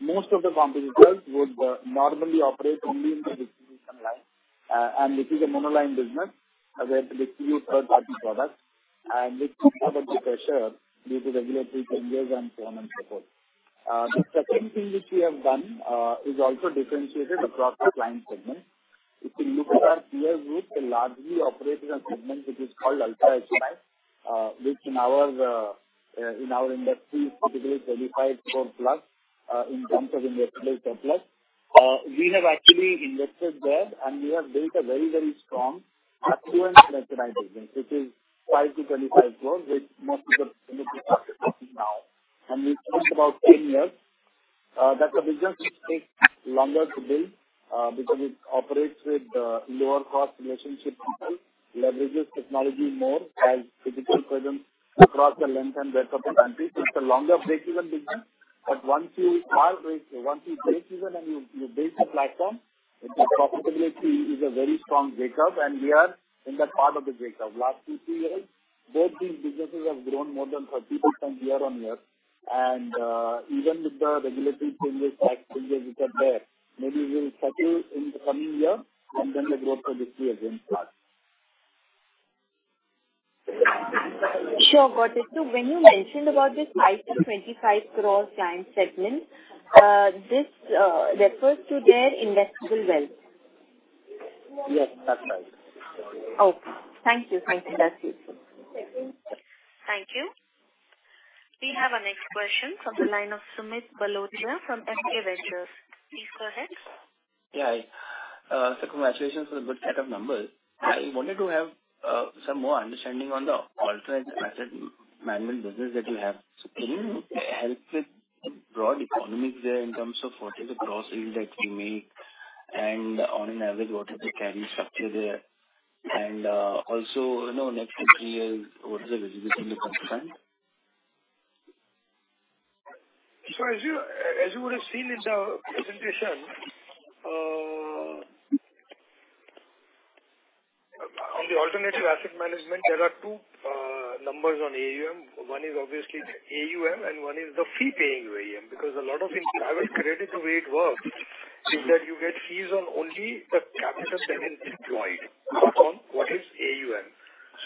Most of the competitors would normally operate only in the distribution line. This is a monoline business where they distribute third-party products, which is under the pressure due to regulatory changes and so on and so forth. The second thing which we have done is also differentiated across the client segment. If you look at our peer group, they largely operate in a segment which is called ultra HNI, which in our industry is considered 25 crore+ in terms of investable surplus. We have actually invested there, we have built a very, very strong affluent client business, which is 5-25 crores, which most of the competitors are focusing now. We took about 10 years, that's a business which takes longer to build, because it operates with, lower-cost relationship model, leverages technology more as physical presence across the length and breadth of the country. It's a longer breakeven business, but once you break even and you build the platform, its profitability is a very strong breakup, and we are in that part of the breakup. Last two, three years, both these businesses have grown more than 30% year-on-year. Even with the regulatory changes, tax changes which are there, maybe we'll settle in the coming year and then the growth will see again start. Sure, got it. When you mentioned about this ISO 25 crore client segment, this refers to their investable wealth? Yes, that's right. Oh, thank you. Thank you. That's it. Thank you. We have our next question from the line of Sumit Bhalotia from Emkay Global. Please go ahead. Yeah. congratulations on the good set of numbers. I wanted to have some more understanding on the alternate asset management business that you have. can you help with the broad economics there in terms of what is the gross yield that you make, and on average, what is the carry structure there? also, you know, next to three years, what is the visibility in the front end? As you, as you would have seen in the presentation, on the alternative asset management, there are two numbers on AUM. One is obviously the AUM and one is the fee-paying AUM, because a lot of in private credit, the way it works is that you get fees on only the capital that is employed, not on what is AUM.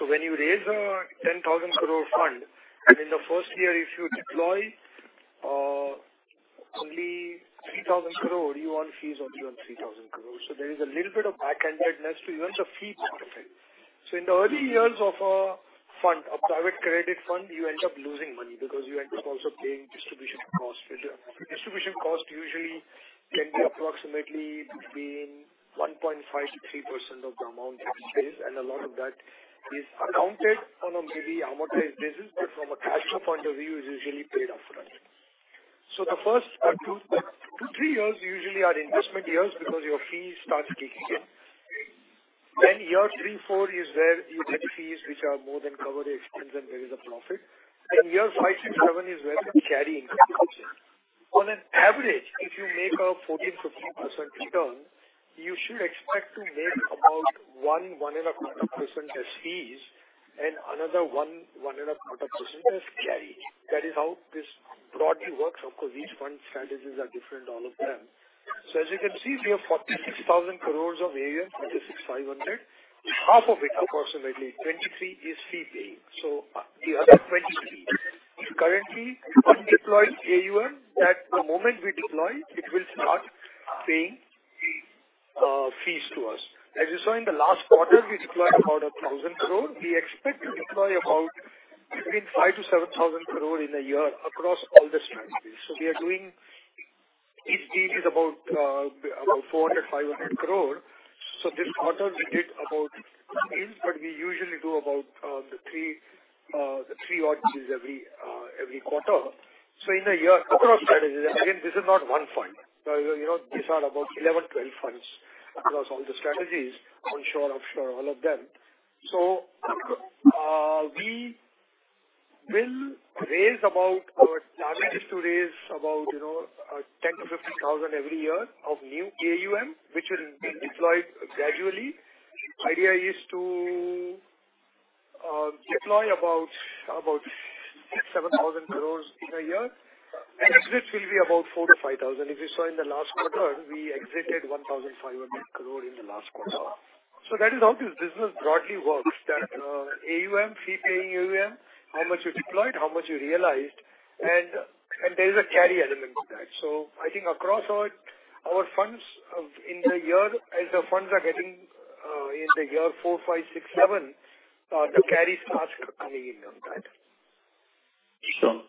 When you raise an 10,000 crore fund, and in the first year, if you deploy only 3,000 crore, you want fees only on 3,000 crore. There is a little bit of backhandedness to you and the fee part of it. In the early years of a fund, a private credit fund, you end up losing money because you end up also paying distribution costs. Distribution costs usually can be approximately between 1.5%-3% of the amount expense, and a lot of that is accounted on a maybe amortized business, but from a cash flow point of view, is usually paid up front. The first two-three years usually are investment years because your fees start kicking in. Year three, four is where you get fees which are more than cover the expense and there is a profit. Years five to seven is where the carry comes in. On an average, if you make a 14%, 15% return, you should expect to make about 1.25% as fees and another 1.25% as carry. That is how this broadly works. Each fund strategies are different, all of them. As you can see, if you have 46,000 crore of AUM, 46,500, half of it, approximately 23, is fee-paying. You have 23. Currently, undeployed AUM, that the moment we deploy, it will start paying fees to us. As you saw in the last quarter, we deployed about 1,000 crore. We expect to deploy about between 5,000 crore-7,000 crore in a year across all the strategies. Each deal is about 400 crore-500 crore. This quarter we did deals, but we usually do the three odd deals every quarter. In a year, across strategies, again, this is not one fund. You know, these are about 11-12 funds across all the strategies onshore, offshore, all of them. Our target is to raise about, you know, 10,000-15,000 every year of new AUM, which will be deployed gradually. Idea is to deploy about 6,000-7,000 crores in a year, and exits will be about 4,000-5,000. If you saw in the last quarter, we exited 1,500 crore in the last quarter. That is how this business broadly works, that AUM, fee-paying AUM, how much you deployed, how much you realized, and there is a carry element to that. I think across all our funds, in the year, as the funds are getting, in the year four, five, six, seven, the carry starts coming in on that. Sure.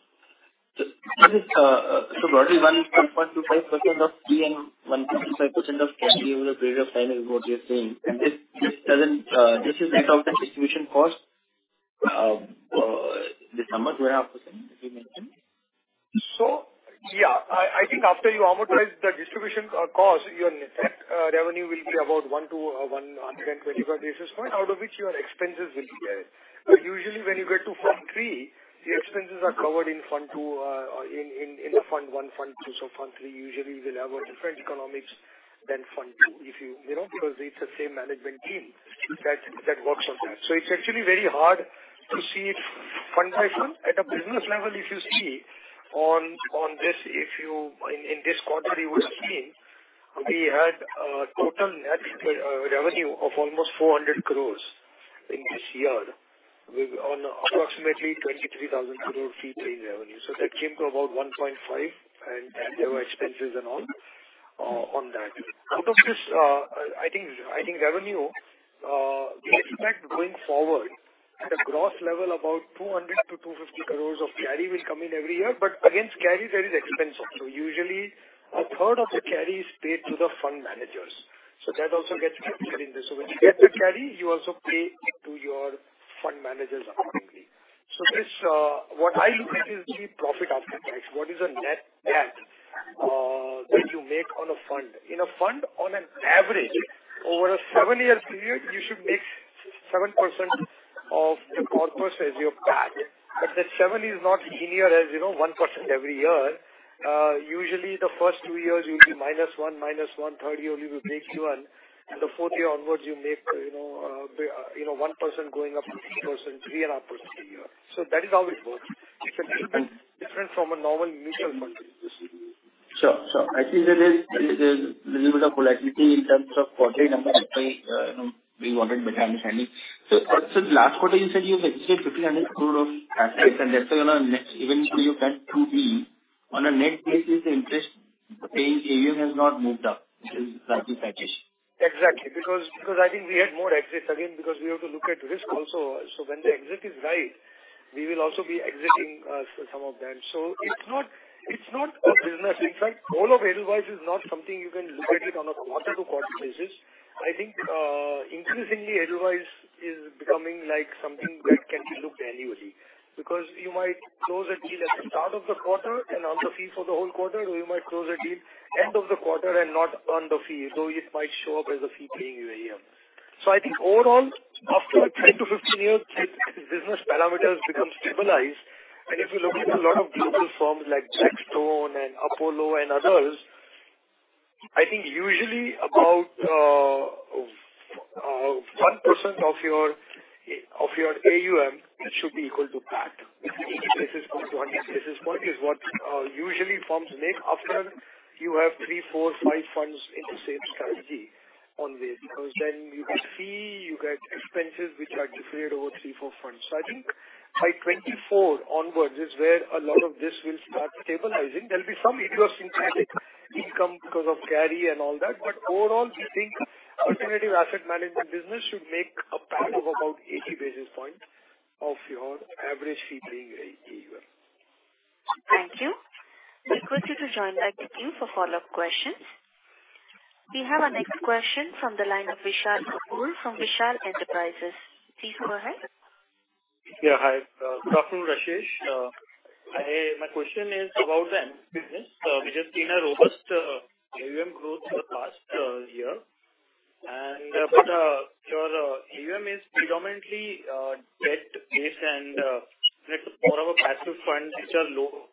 Broadly, 1.25% of fee and 1.5% of carry over a period of time is what you're saying? This doesn't, this is without the distribution cost, the 2.5% that you mentioned? Yeah, I think after you amortize the distribution cost, your net revenue will be about 1-125 basis point, out of which your expenses will be there. Usually when you get to fund 3, the expenses are covered in fund 2, in the fund 1, fund 2. Fund 3 usually will have a different economics than fund 2, if you know, because it's the same management team that works on that. It's actually very hard to see it fund by fund. At a business level if you see on this, in this quarter, you would have seen we had a total net revenue of almost 400 crore in this year, with on approximately 23,000 crore fee paying revenue. That came to about 1.5, and there were expenses and all on that. Out of this, I think revenue we expect going forward at a gross level, about 200 crore-250 crore of carry will come in every year, but against carry, there is expense also. Usually a third of the carry is paid to the fund managers. That also gets included in this. When you get the carry, you also pay to your fund managers accordingly. This, what I look at is the profit after tax. What is the net that you make on a fund? In a fund, on an average, over a seven-year period, you should make 7% of the corpus as your PAT. The seven is not linear, as you know, 1% every year. Usually the first two years you will be -1, -1, 3rd year will break even. The fourth year onwards, you make, you know, you know, 1% going up to 2%, 3.5% a year. That is how it works. It's a different from a normal mutual fund. Sure. I think there is a little bit of volatility in terms of quarter number, you know, we wanted better understanding. Last quarter you said you have 5,000 crore of assets, and that's, you know, next, even though you plan to be on a net basis, the interest? The AUM has not moved up, is that your citation? Exactly. Because I think we had more exits again, because we have to look at risk also. When the exit is right, we will also be exiting some of that. It's not a business. In fact, all of Edelweiss is not something you can look at it on a quarter-to-quarter basis. I think increasingly Edelweiss is becoming like something that can be looked annually, because you might close a deal at the start of the quarter and earn the fee for the whole quarter, or you might close a deal end of the quarter and not earn the fee, so it might show up as a fee-paying AUM. I think overall, after 10-15 years, business parameters become stabilized. If you look at a lot of global firms like Blackstone and Apollo and others, I think usually about 1% of your AUM should be equal to PAT. 80 basis points to 100 basis points is what usually firms make after you have three, four, five funds in the same strategy on this, because then you get fee, you get expenses which are defrayed over three, four funds. I think by 2024 onwards is where a lot of this will start stabilizing. There'll be some idiosyncratic income because of carry and all that, but overall, we think alternative asset management business should make a PAT of about 80 basis points of your average fee-paying AUM. Thank you. We request you to join back the queue for follow-up questions. We have our next question from the line of Vishal Kakani from Vishal Enterprises. Please go ahead. Yeah, hi. Good afternoon, Rashesh. My question is about the business. We have seen a robust AUM growth for the past year. Your AUM is predominantly debt-based and more of a passive fund, which are low.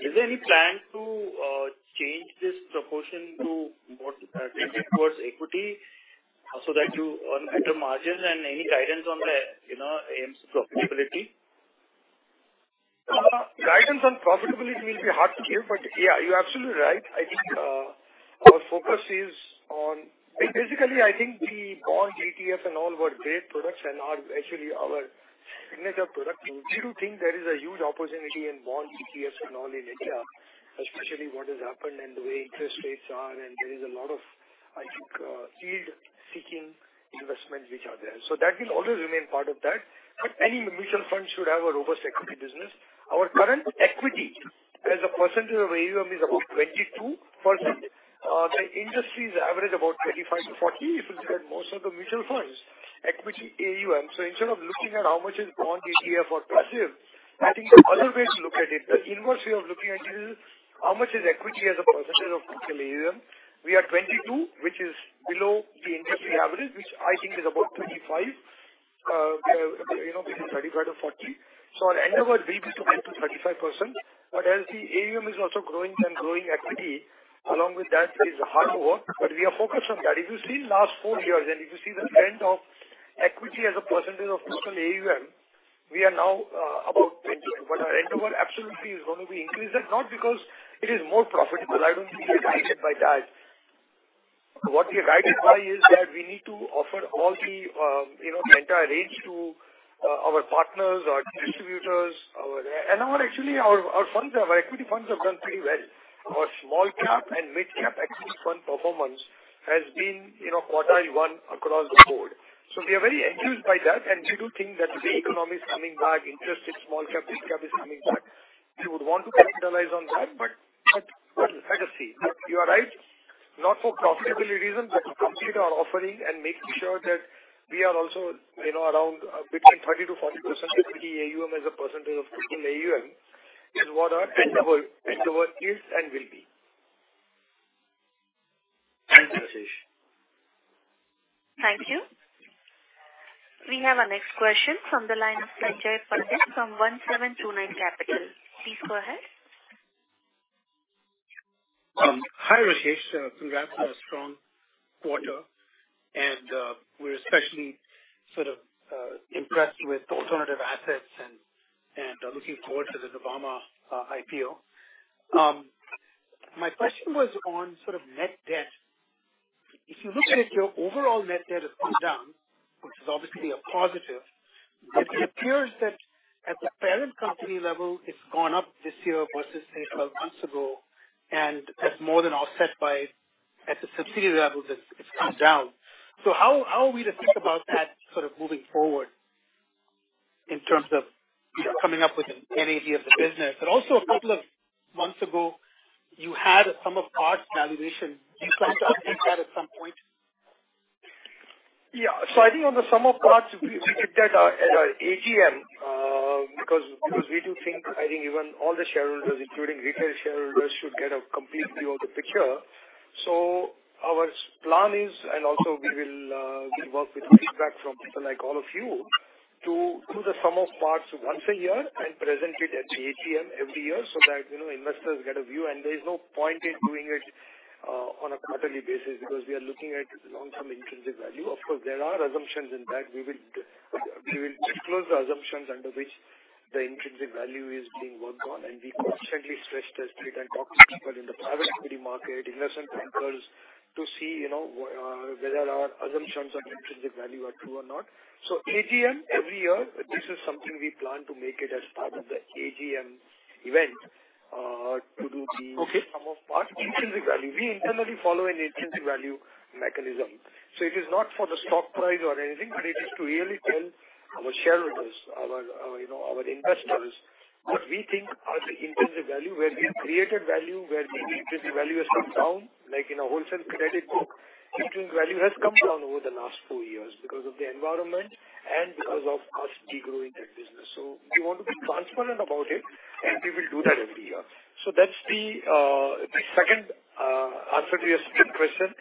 Is there any plan to change this proportion to more towards equity so that you earn better margins and any guidance on the, you know, AUM profitability? Guidance on profitability will be hard to give, yeah, you're absolutely right. I think, our focus is on. Basically, I think the bond ETF and all were great products and are actually our signature product. We do think there is a huge opportunity in bond ETFs and all in India, especially what has happened and the way interest rates are, and there is a lot of, I think, yield-seeking investments which are there. That will always remain part of that. Any mutual fund should have a robust equity business. Our current equity as a percentage of AUM is about 22%. The industry's average about 25%-40%, if you look at most of the mutual funds, equity AUM. Instead of looking at how much is bond ETF or passive, I think the other way to look at it, the inverse way of looking at it is how much is equity as a percentage of total AUM. We are 22, which is below the industry average, which I think is about 25, you know, between 35%-40%. Our endeavor will be to get to 35%, but as the AUM is also growing and growing equity along with that is hard work, but we are focused on that. If you see last four years, and if you see the trend of equity as a percentage of total AUM, we are now, about 20. Our endeavor absolutely is going to be increased, not because it is more profitable. I don't think we are guided by that. What we are guided by is that we need to offer all the, you know, the entire range to our partners, our distributors, our. Actually, our funds, our equity funds have done pretty well. Our small cap and mid cap equity fund performance has been, you know, quartile one across the board. We are very enthused by that, and we do think that the economy is coming back, interest in small cap and cap is coming back. We would want to capitalize on that, but let us see. You are right, not for profitability reasons, but to complete our offering and making sure that we are also, you know, around between 20%-40% equity AUM as a percentage of total AUM is what our endeavor is and will be. Thanks, Rashesh. Thank you. We have our next question from the line from 1729 Capital. Please go ahead. Hi, Rashesh. Congrats on a strong quarter, and we're especially sort of impressed with alternative assets and looking forward to the Dharma IPO. My question was on sort of net debt. If you look at it, your overall net debt has come down, which is obviously a positive. It appears that at the parent company level, it's gone up this year versus, say, 12 months ago, and that's more than offset by at the subsidiary level, that it's come down. How are we to think about that sort of moving forward in terms of coming up with an NID of the business? Also a couple of months ago, you had a sum of parts valuation. Do you plan to update that at some point? Yeah. I think on the sum of parts, we did that at our AGM, because we do think, I think even all the shareholders, including retail shareholders, should get a complete view of the picture. Our plan is, and also we will, we work with feedback from people like all of you to do the sum of parts once a year and present it at the AGM every year so that, you know, investors get a view, there is no point in doing it, on a quarterly basis, because we are looking at long-term intrinsic value. Of course, there are assumptions in that. We will disclose the assumptions under which the intrinsic value is being worked on, and we constantly stress-test it and talk to people in the private equity market, investment bankers. to see, you know, whether our assumptions on intrinsic value are true or not. AGM every year, this is something we plan to make it as part of the AGM event. Okay. Some of our intrinsic value. We internally follow an intrinsic value mechanism. It is not for the stock price or anything, but it is to really tell our shareholders, our, you know, our investors, what we think are the intrinsic value, where we have created value, where the intrinsic value has come down, like in a wholesale credit book. Intrinsic value has come down over the last four years because of the environment and because of cost degrowing that business. We want to be transparent about it, and we will do that every year. That's the second answer to your second question.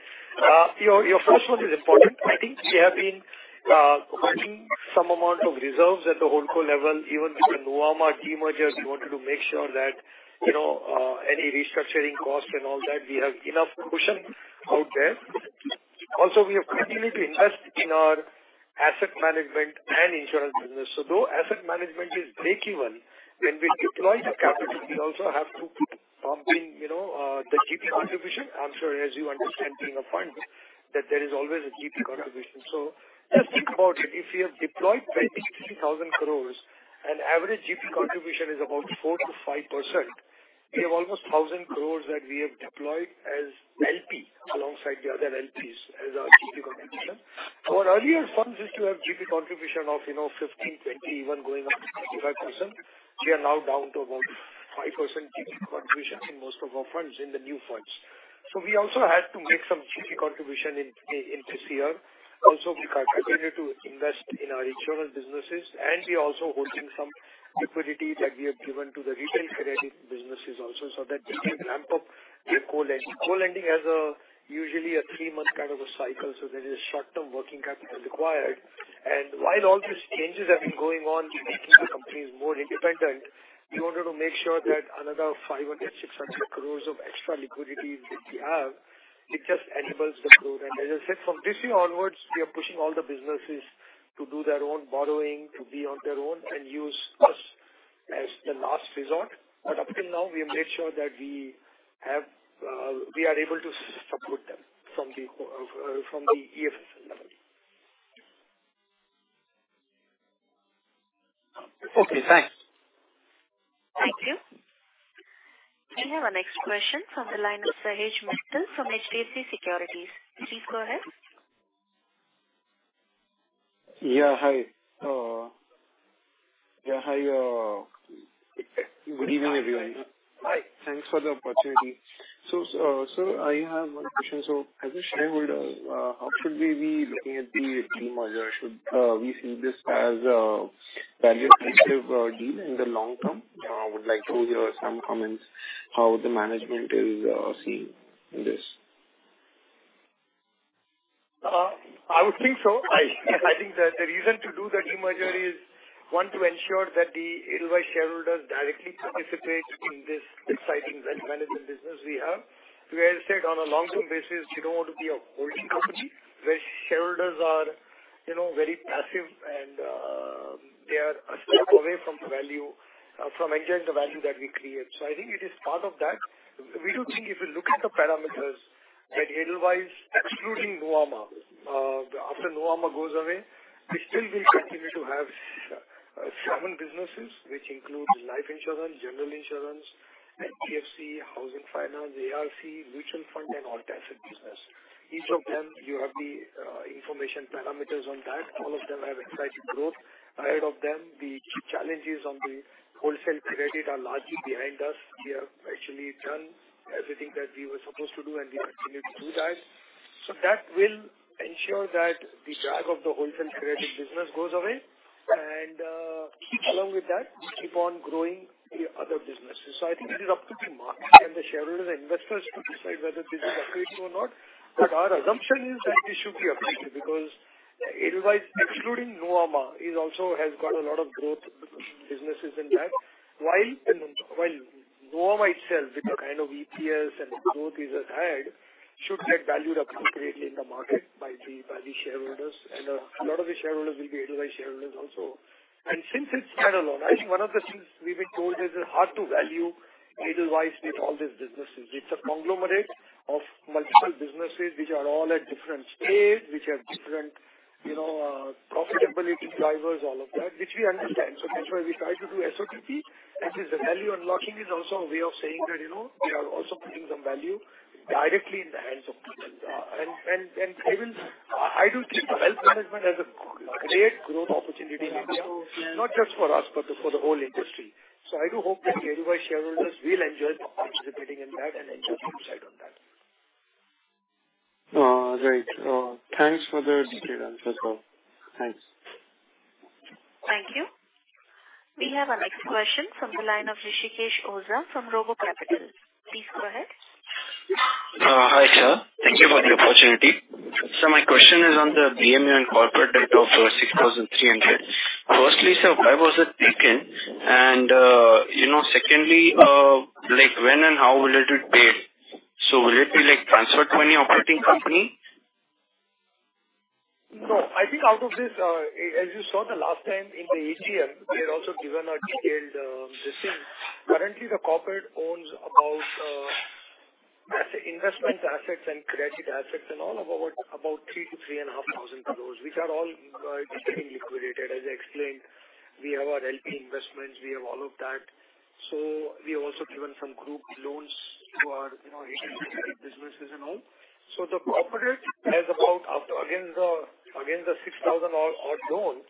Your first one is important. I think we have been holding some amount of reserves at the HoldCo level. Even with the Nuvama demerger, we wanted to make sure that, you know, any restructuring costs and all that, we have enough cushion out there. We have continued to invest in our asset management and insurance business. Though asset management is breakeven, when we deploy the capital, we also have to keep pumping, you know, the GP contribution. I'm sure as you understand, being a fund, that there is always a GP contribution. Just think about it. If you have deployed 22,000 crores and average GP contribution is about 4%-5%, we have almost 1,000 crores that we have deployed as LP alongside the other LPs as our GP contribution. Our earlier funds used to have GP contribution of, you know, 15%, 20%, even going up to 25%. We are now down to about 5% GP contribution in most of our funds, in the new funds. We also had to make some GP contribution in this year. We continue to invest in our insurance businesses, and we are also holding some liquidity that we have given to the retail credit businesses also, so that they can ramp up their co-lending. Co-lending has a usually a three-month kind of a cycle, there is short-term working capital required. While all these changes have been going on to making the company more independent, we wanted to make sure that another 500 crore-600 crore of extra liquidity that we have, it just enables the growth. As I said, from this year onwards, we are pushing all the businesses to do their own borrowing, to be on their own and use us as the last resort. Up till now, we have made sure that we have, we are able to support them from the, from the EFSL level. Okay, thanks. Thank you. We have our next question from the line of Sahil Kumar from HDFC Securities. Please go ahead. Yeah, hi, good evening, everyone. Hi. Thanks for the opportunity. Sir, I have one question. As a shareholder, how should we be looking at the demerger? Should we see this as a value-intensive deal in the long term? I would like to hear some comments how the management is seeing this. I would think so. I think that the reason to do the demerger is, one, to ensure that the Edelweiss shareholders directly participate in this exciting wealth management business we have. We have said on a long-term basis, we don't want to be a holding company where shareholders are, you know, very passive and they are a step away from value, from enjoying the value that we create. I think it is part of that. We do think if you look at the parameters that Edelweiss, excluding Nuvama, after Nuvama goes away, we still will continue to have, seven businesses, which includes life insurance, general insurance, HFHC, housing finance, ARC, mutual fund, and alternate business. Each of them, you have the information parameters on that. All of them have exciting growth. Ahead of them, the challenges on the wholesale credit are largely behind us. We have actually done everything that we were supposed to do, and we continue to do that. That will ensure that the drag of the wholesale credit business goes away, and, along with that, we keep on growing the other businesses. I think it is up to the market and the shareholders and investors to decide whether this is appropriate or not. Our assumption is that it should be appropriate because Edelweiss, excluding Nuvama, is also has got a lot of growth businesses in that. While Nuvama itself, with the kind of EPS and growth is ahead, should get valued appropriately in the market by the, by the shareholders. A lot of the shareholders will be Edelweiss shareholders also. Since it's standalone, I think one of the things we've been told is it's hard to value Edelweiss with all these businesses. It's a conglomerate of multiple businesses which are all at different stage, which have different, you know, profitability drivers, all of that, which we understand. That's why we try to do SOTP, which is the value unlocking is also a way of saying that, you know, we are also putting some value directly in the hands of people. And even I do think wealth management has a great growth opportunity in India, not just for us, but for the whole industry. I do hope that Edelweiss shareholders will enjoy participating in that and enjoy upside on that. Right. Thanks for the statement as well. Thanks. Thank you. We have our next question from the line of Rishikesh Oza from RoboCapital. Please go ahead. Hi, sir. Thank you for the opportunity. Sir, my question is on the BMI and corporate debt of 6,300. Firstly, sir, why was it taken? You know, secondly, like, when and how will it be paid? Will it be, like, transferred to any operating company? I think out of this, as you saw the last time in the ATM, we had also given a detailed listing. Currently, the corporate owns about investment assets and credit assets and all about 3,000 crore-3,500 crore, which are all getting liquidated. As I explained, we have our LP investments, we have all of that. We have also given some group loans to our, you know, businesses and all. The corporate has about up against the 6,000 or loan,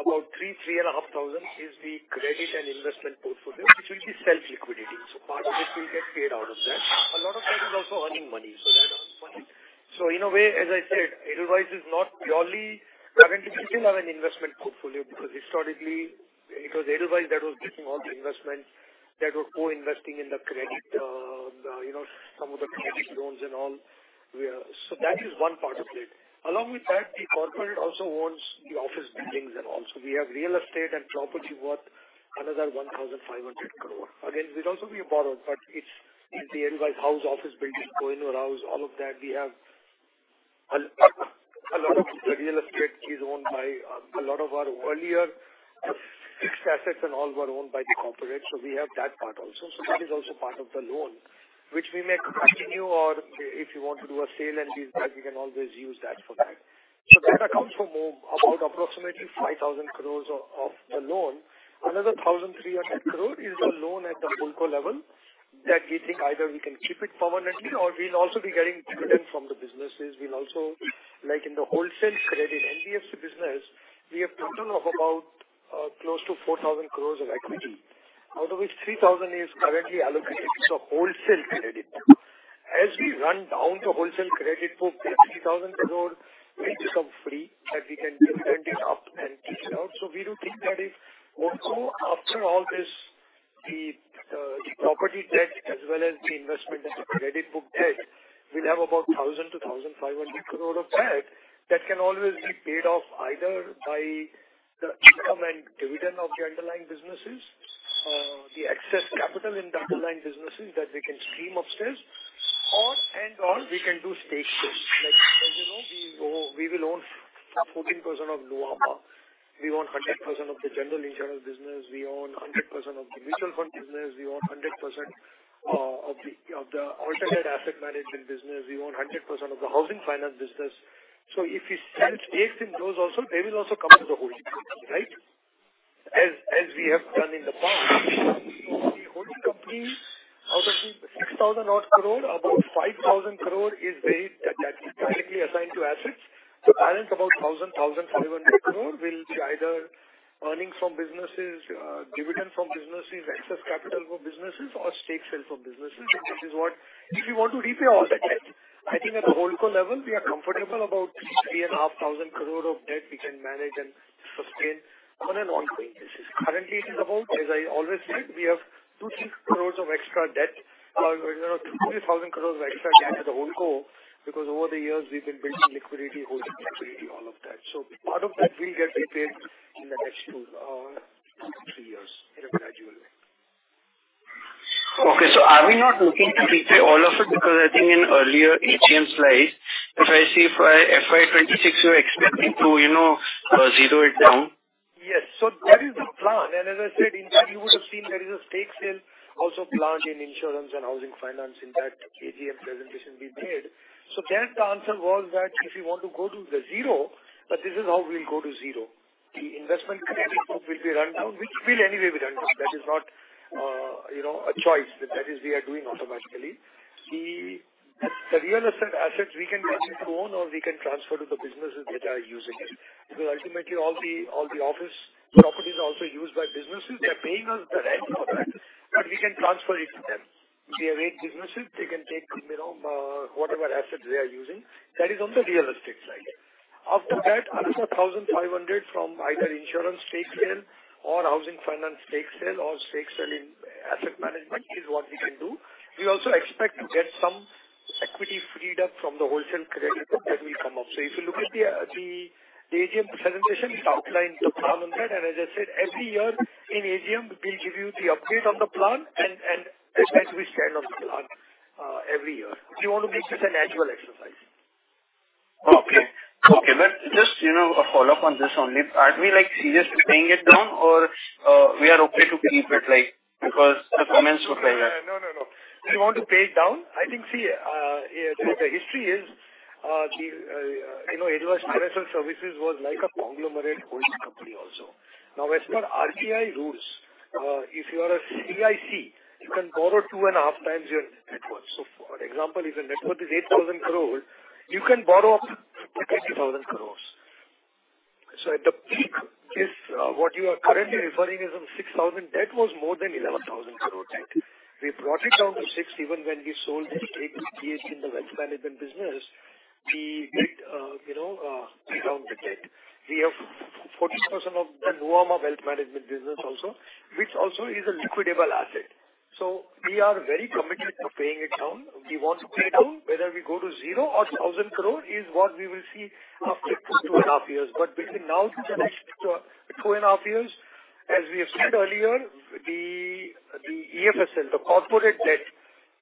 about 3,500 is the credit and investment portfolio, which will be self-liquidating. Part of it will get paid out of that. A lot of that is also earning money, so that money. In a way, as I said, Edelweiss is not purely currently, we still have an investment portfolio, because historically it was Edelweiss that was getting all the investment, that was co-investing in the credit, you know, some of the credit loans and all. That is one part of it. Along with that, the corporate also owns the office buildings and all. We have real estate and property worth another 1,500 crore. Again, it will also be borrowed, but it's the Edelweiss House, office building, Kovind House, all of that. We have a lot of the real estate is owned by a lot of our earlier assets, and all were owned by the corporate. We have that part also. That is also part of the loan, which we may continue, or if you want to do a sale and lease back, we can always use that for that. That accounts for about approximately 5,000 crores of the loan. Another 1,300 crore is the loan at the HoldCo level that we think either we can keep it permanently or we'll also be getting dividend from the businesses. Like in the wholesale credit NBFC business, we have total of about close to 4,000 crores of equity, out of which 3,000 is currently allocated to the wholesale credit. As we run down the wholesale credit for 3,000 crores will become free, and we can lend it up and lease it out. We do think that is also, after all this, the property debt as well as the investment and the credit book debt, we'll have about 1,000-1,500 crore of debt that can always be paid off either by the income and dividend of the underlying businesses, the excess capital in the underlying businesses that we can stream upstairs or, and/or we can do stake sales. Like, as you know, we will own 14% of Nuvama, we own 100% of the general insurance business, we own 100% of the mutual fund business, we own 100% of the alternate asset management business, we own 100% of the housing finance business. If we sell stakes in those also, they will also come as a whole, right? As we have done in the past. The holding company, out of the 6,000 odd crore, about 5,000 crore is paid, that is directly assigned to assets. The balance, about 1,000-1,500 crore will be either earnings from businesses, dividends from businesses, excess capital for businesses, or stake sales from businesses. This is what if you want to repay all the debt. I think at the HoldCo level, we are comfortable about 3,500 crore of debt we can manage and sustain other than ongoing business. Currently, it is about, as I always said, we have 2,000-3,000 crore of extra debt as a HoldCo, because over the years we've been building liquidity, holding liquidity, all of that. Part of that will get repaid in the next 2-3 years in a gradual way. Okay. Are we not looking to repay all of it? Because I think in earlier AGM slides, if I see FY26, you're expecting to, you know, zero it down. Yes. That is the plan. As I said, in that, you would have seen there is a stake sale also planned in insurance and housing finance in that AGM presentation we made. There the answer was that if you want to go to the zero, but this is how we'll go to zero. The investment credit book will be run down, which will anyway be run down. That is not, you know, a choice. That is, we are doing automatically. The real estate assets we can keep own or we can transfer to the businesses that are using it, because ultimately all the office properties are also used by businesses. They're paying us the rent on that, but we can transfer it to them. They are eight businesses. They can take, you know, whatever assets they are using. That is on the real estate side. After that, another 1,500 from either insurance stake sale or housing finance stake sale or stake sale in asset management is what we can do. We also expect to get some equity freed up from the wholesale credit book that will come up. If you look at the AGM presentation, it outlines the plan on that. As I said, every year in AGM, we'll give you the update on the plan and the status we stand on the plan every year. We want to make this a natural exercise. Okay. Just, you know, a follow-up on this only. Are we, like, serious to paying it down or we are okay to keep it like because the comments look like that? No, no. We want to pay it down. I think, see, the history is, the, you know Edelweiss Financial Services was like a conglomerate holding company also. As per RBI rules, if you are a CIC, you can borrow two and a half times your net worth. For example, if your net worth is 8,000 crore, you can borrow up to 20,000 crore. At the peak, is what you are currently referring is on 6,000 crore, debt was more than 11,000 crore debt. We brought it down to 6,000 crore. Even when we sold our stake in the wealth management business, we get, you know, down the debt. We have 40% of the Nuvama Wealth Management business also, which also is a liquidable asset. We are very committed to paying it down. We want to pay down. Whether we go to zero or 1,000 crore is what we will see after two and a half years. Between now to the next two and a half years, as we have said earlier, The EFSL, the corporate debt,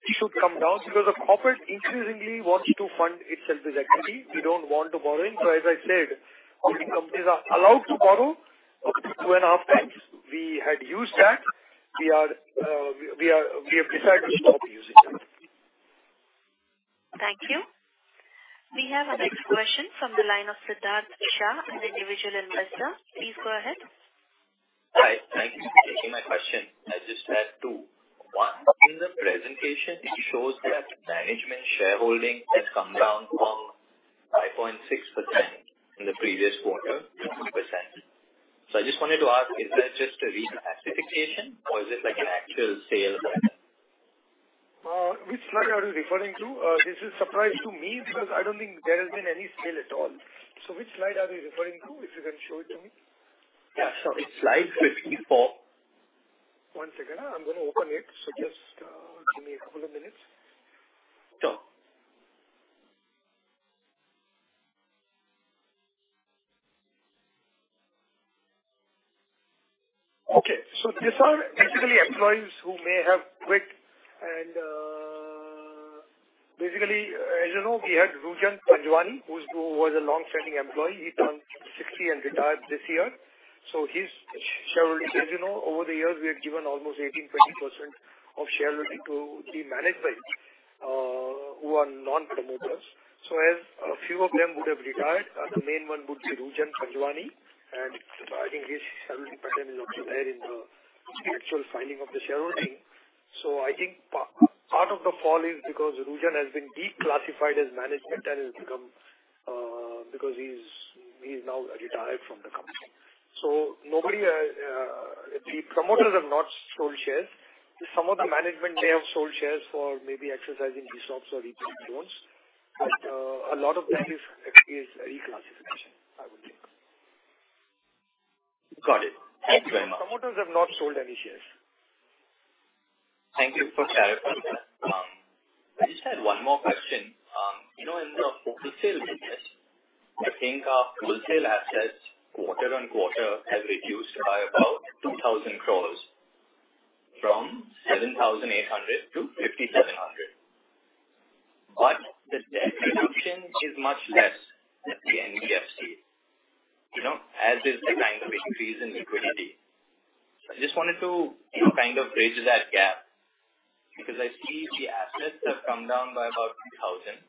it should come down because the corporate increasingly wants to fund itself with equity. We don't want to borrow. As I said, only companies are allowed to borrow up to two and a half times. We had used that. We have decided to stop using that. Thank you. We have our next question from the line of Sidharth Shah, an individual investor. Please go ahead. Hi, thank you for taking my question. I just had two. One, in the presentation, it shows that management shareholding has come down from 5.6% in the previous quarter to 2%. I just wanted to ask, is that just a reclassification or is it like an actual sale? Which slide are you referring to? This is surprise to me because I don't think there has been any sale at all. Which slide are you referring to? If you can show it to me. Yeah, sure. It's slide 54. One second. I'm going to open it, so just give me a couple of minutes. Sure. Okay. These are actually employees who may have quit. Basically, as you know, we had Rujan Panjwani, who was a long-standing employee. He turned 60 and retired this year. His shareholding, as you know, over the years, we had given almost 18%, 20% of shareholding to the management who are non-promoters. As a few of them would have retired, the main one would be Rujan Panjwani, I think his shareholding pattern is also there in the actual filing of the shareholding. I think part of the fall is because Rujan has been declassified as management and has become because he's now retired from the company. Nobody. The promoters have not sold shares. Some of the management may have sold shares for maybe exercising ESOPs or repaying loans, but, a lot of that is reclassification, I would think. Got it. Thank you very much. Promoters have not sold any shares. Thank you for clarifying that. I just had one more question. you know, in the wholesale business, I think our wholesale assets quarter-on-quarter have reduced by about 2,000 crores, from 7,800-5,700. The debt reduction is much less than the NBFC, you know, as is the kind of increase in liquidity. I just wanted to, you know, kind of bridge that gap, because I see the assets have come down by about 2,000,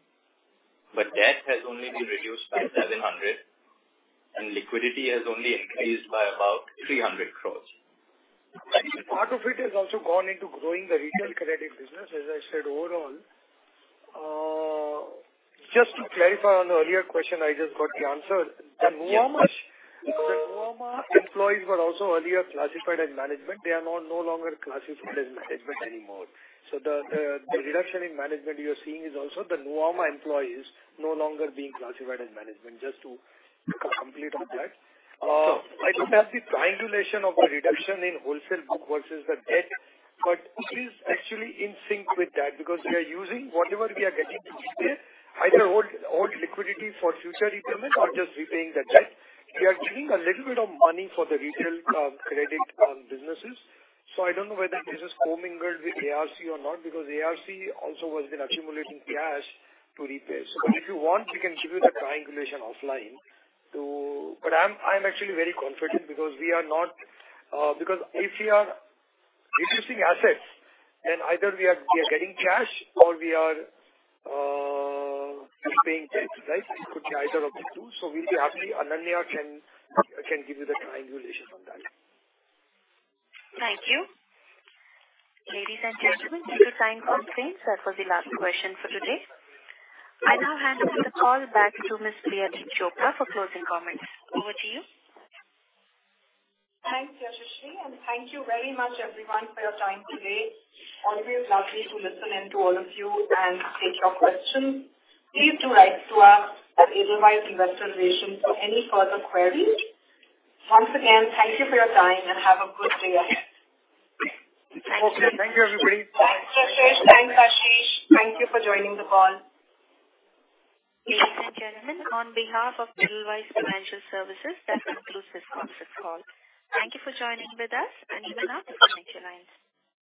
but debt has only been reduced by 700, and liquidity has only increased by about 300 crores. I think part of it has also gone into growing the retail credit business, as I said overall. Just to clarify on the earlier question, I just got the answer. The Nuvama employees were also earlier classified as management. They are now no longer classified as management anymore. The reduction in management you're seeing is also the Nuvama employees no longer being classified as management, just to complete on that. I don't have the triangulation of the reduction in wholesale book versus the debt, but it is actually in sync with that, because we are using whatever we are getting to repay, either hold liquidity for future requirements or just repaying the debt. We are keeping a little bit of money for the retail credit businesses. I don't know whether this is co-mingled with ARC or not, because ARC also has been accumulating cash to repay. If you want, we can give you the triangulation offline to. I'm actually very confident because we are not. Because if we are reducing assets, then either we are getting cash or we are repaying debt, right? It could be either of the two. We'll be happy. Ananya can give you the triangulation on that. Thank you. Ladies and gentlemen, this is saying all things. That was the last question for today. I now hand over the call back to Ms. Priyadeep Chopra for closing comments. Over to you. Thanks, Yashaswi, and thank you very much, everyone, for your time today. Always lovely to listen in to all of you and take your questions. Please do write to us at Edelweiss Investor Relations for any further queries. Once again, thank you for your time and have a good day ahead. Okay, thank you, everybody. Thanks, Ashish. Thank you for joining the call. Ladies and gentlemen, on behalf of Edelweiss Financial Services, that concludes this conference call. Thank you for joining with us, and you may now disconnect your lines.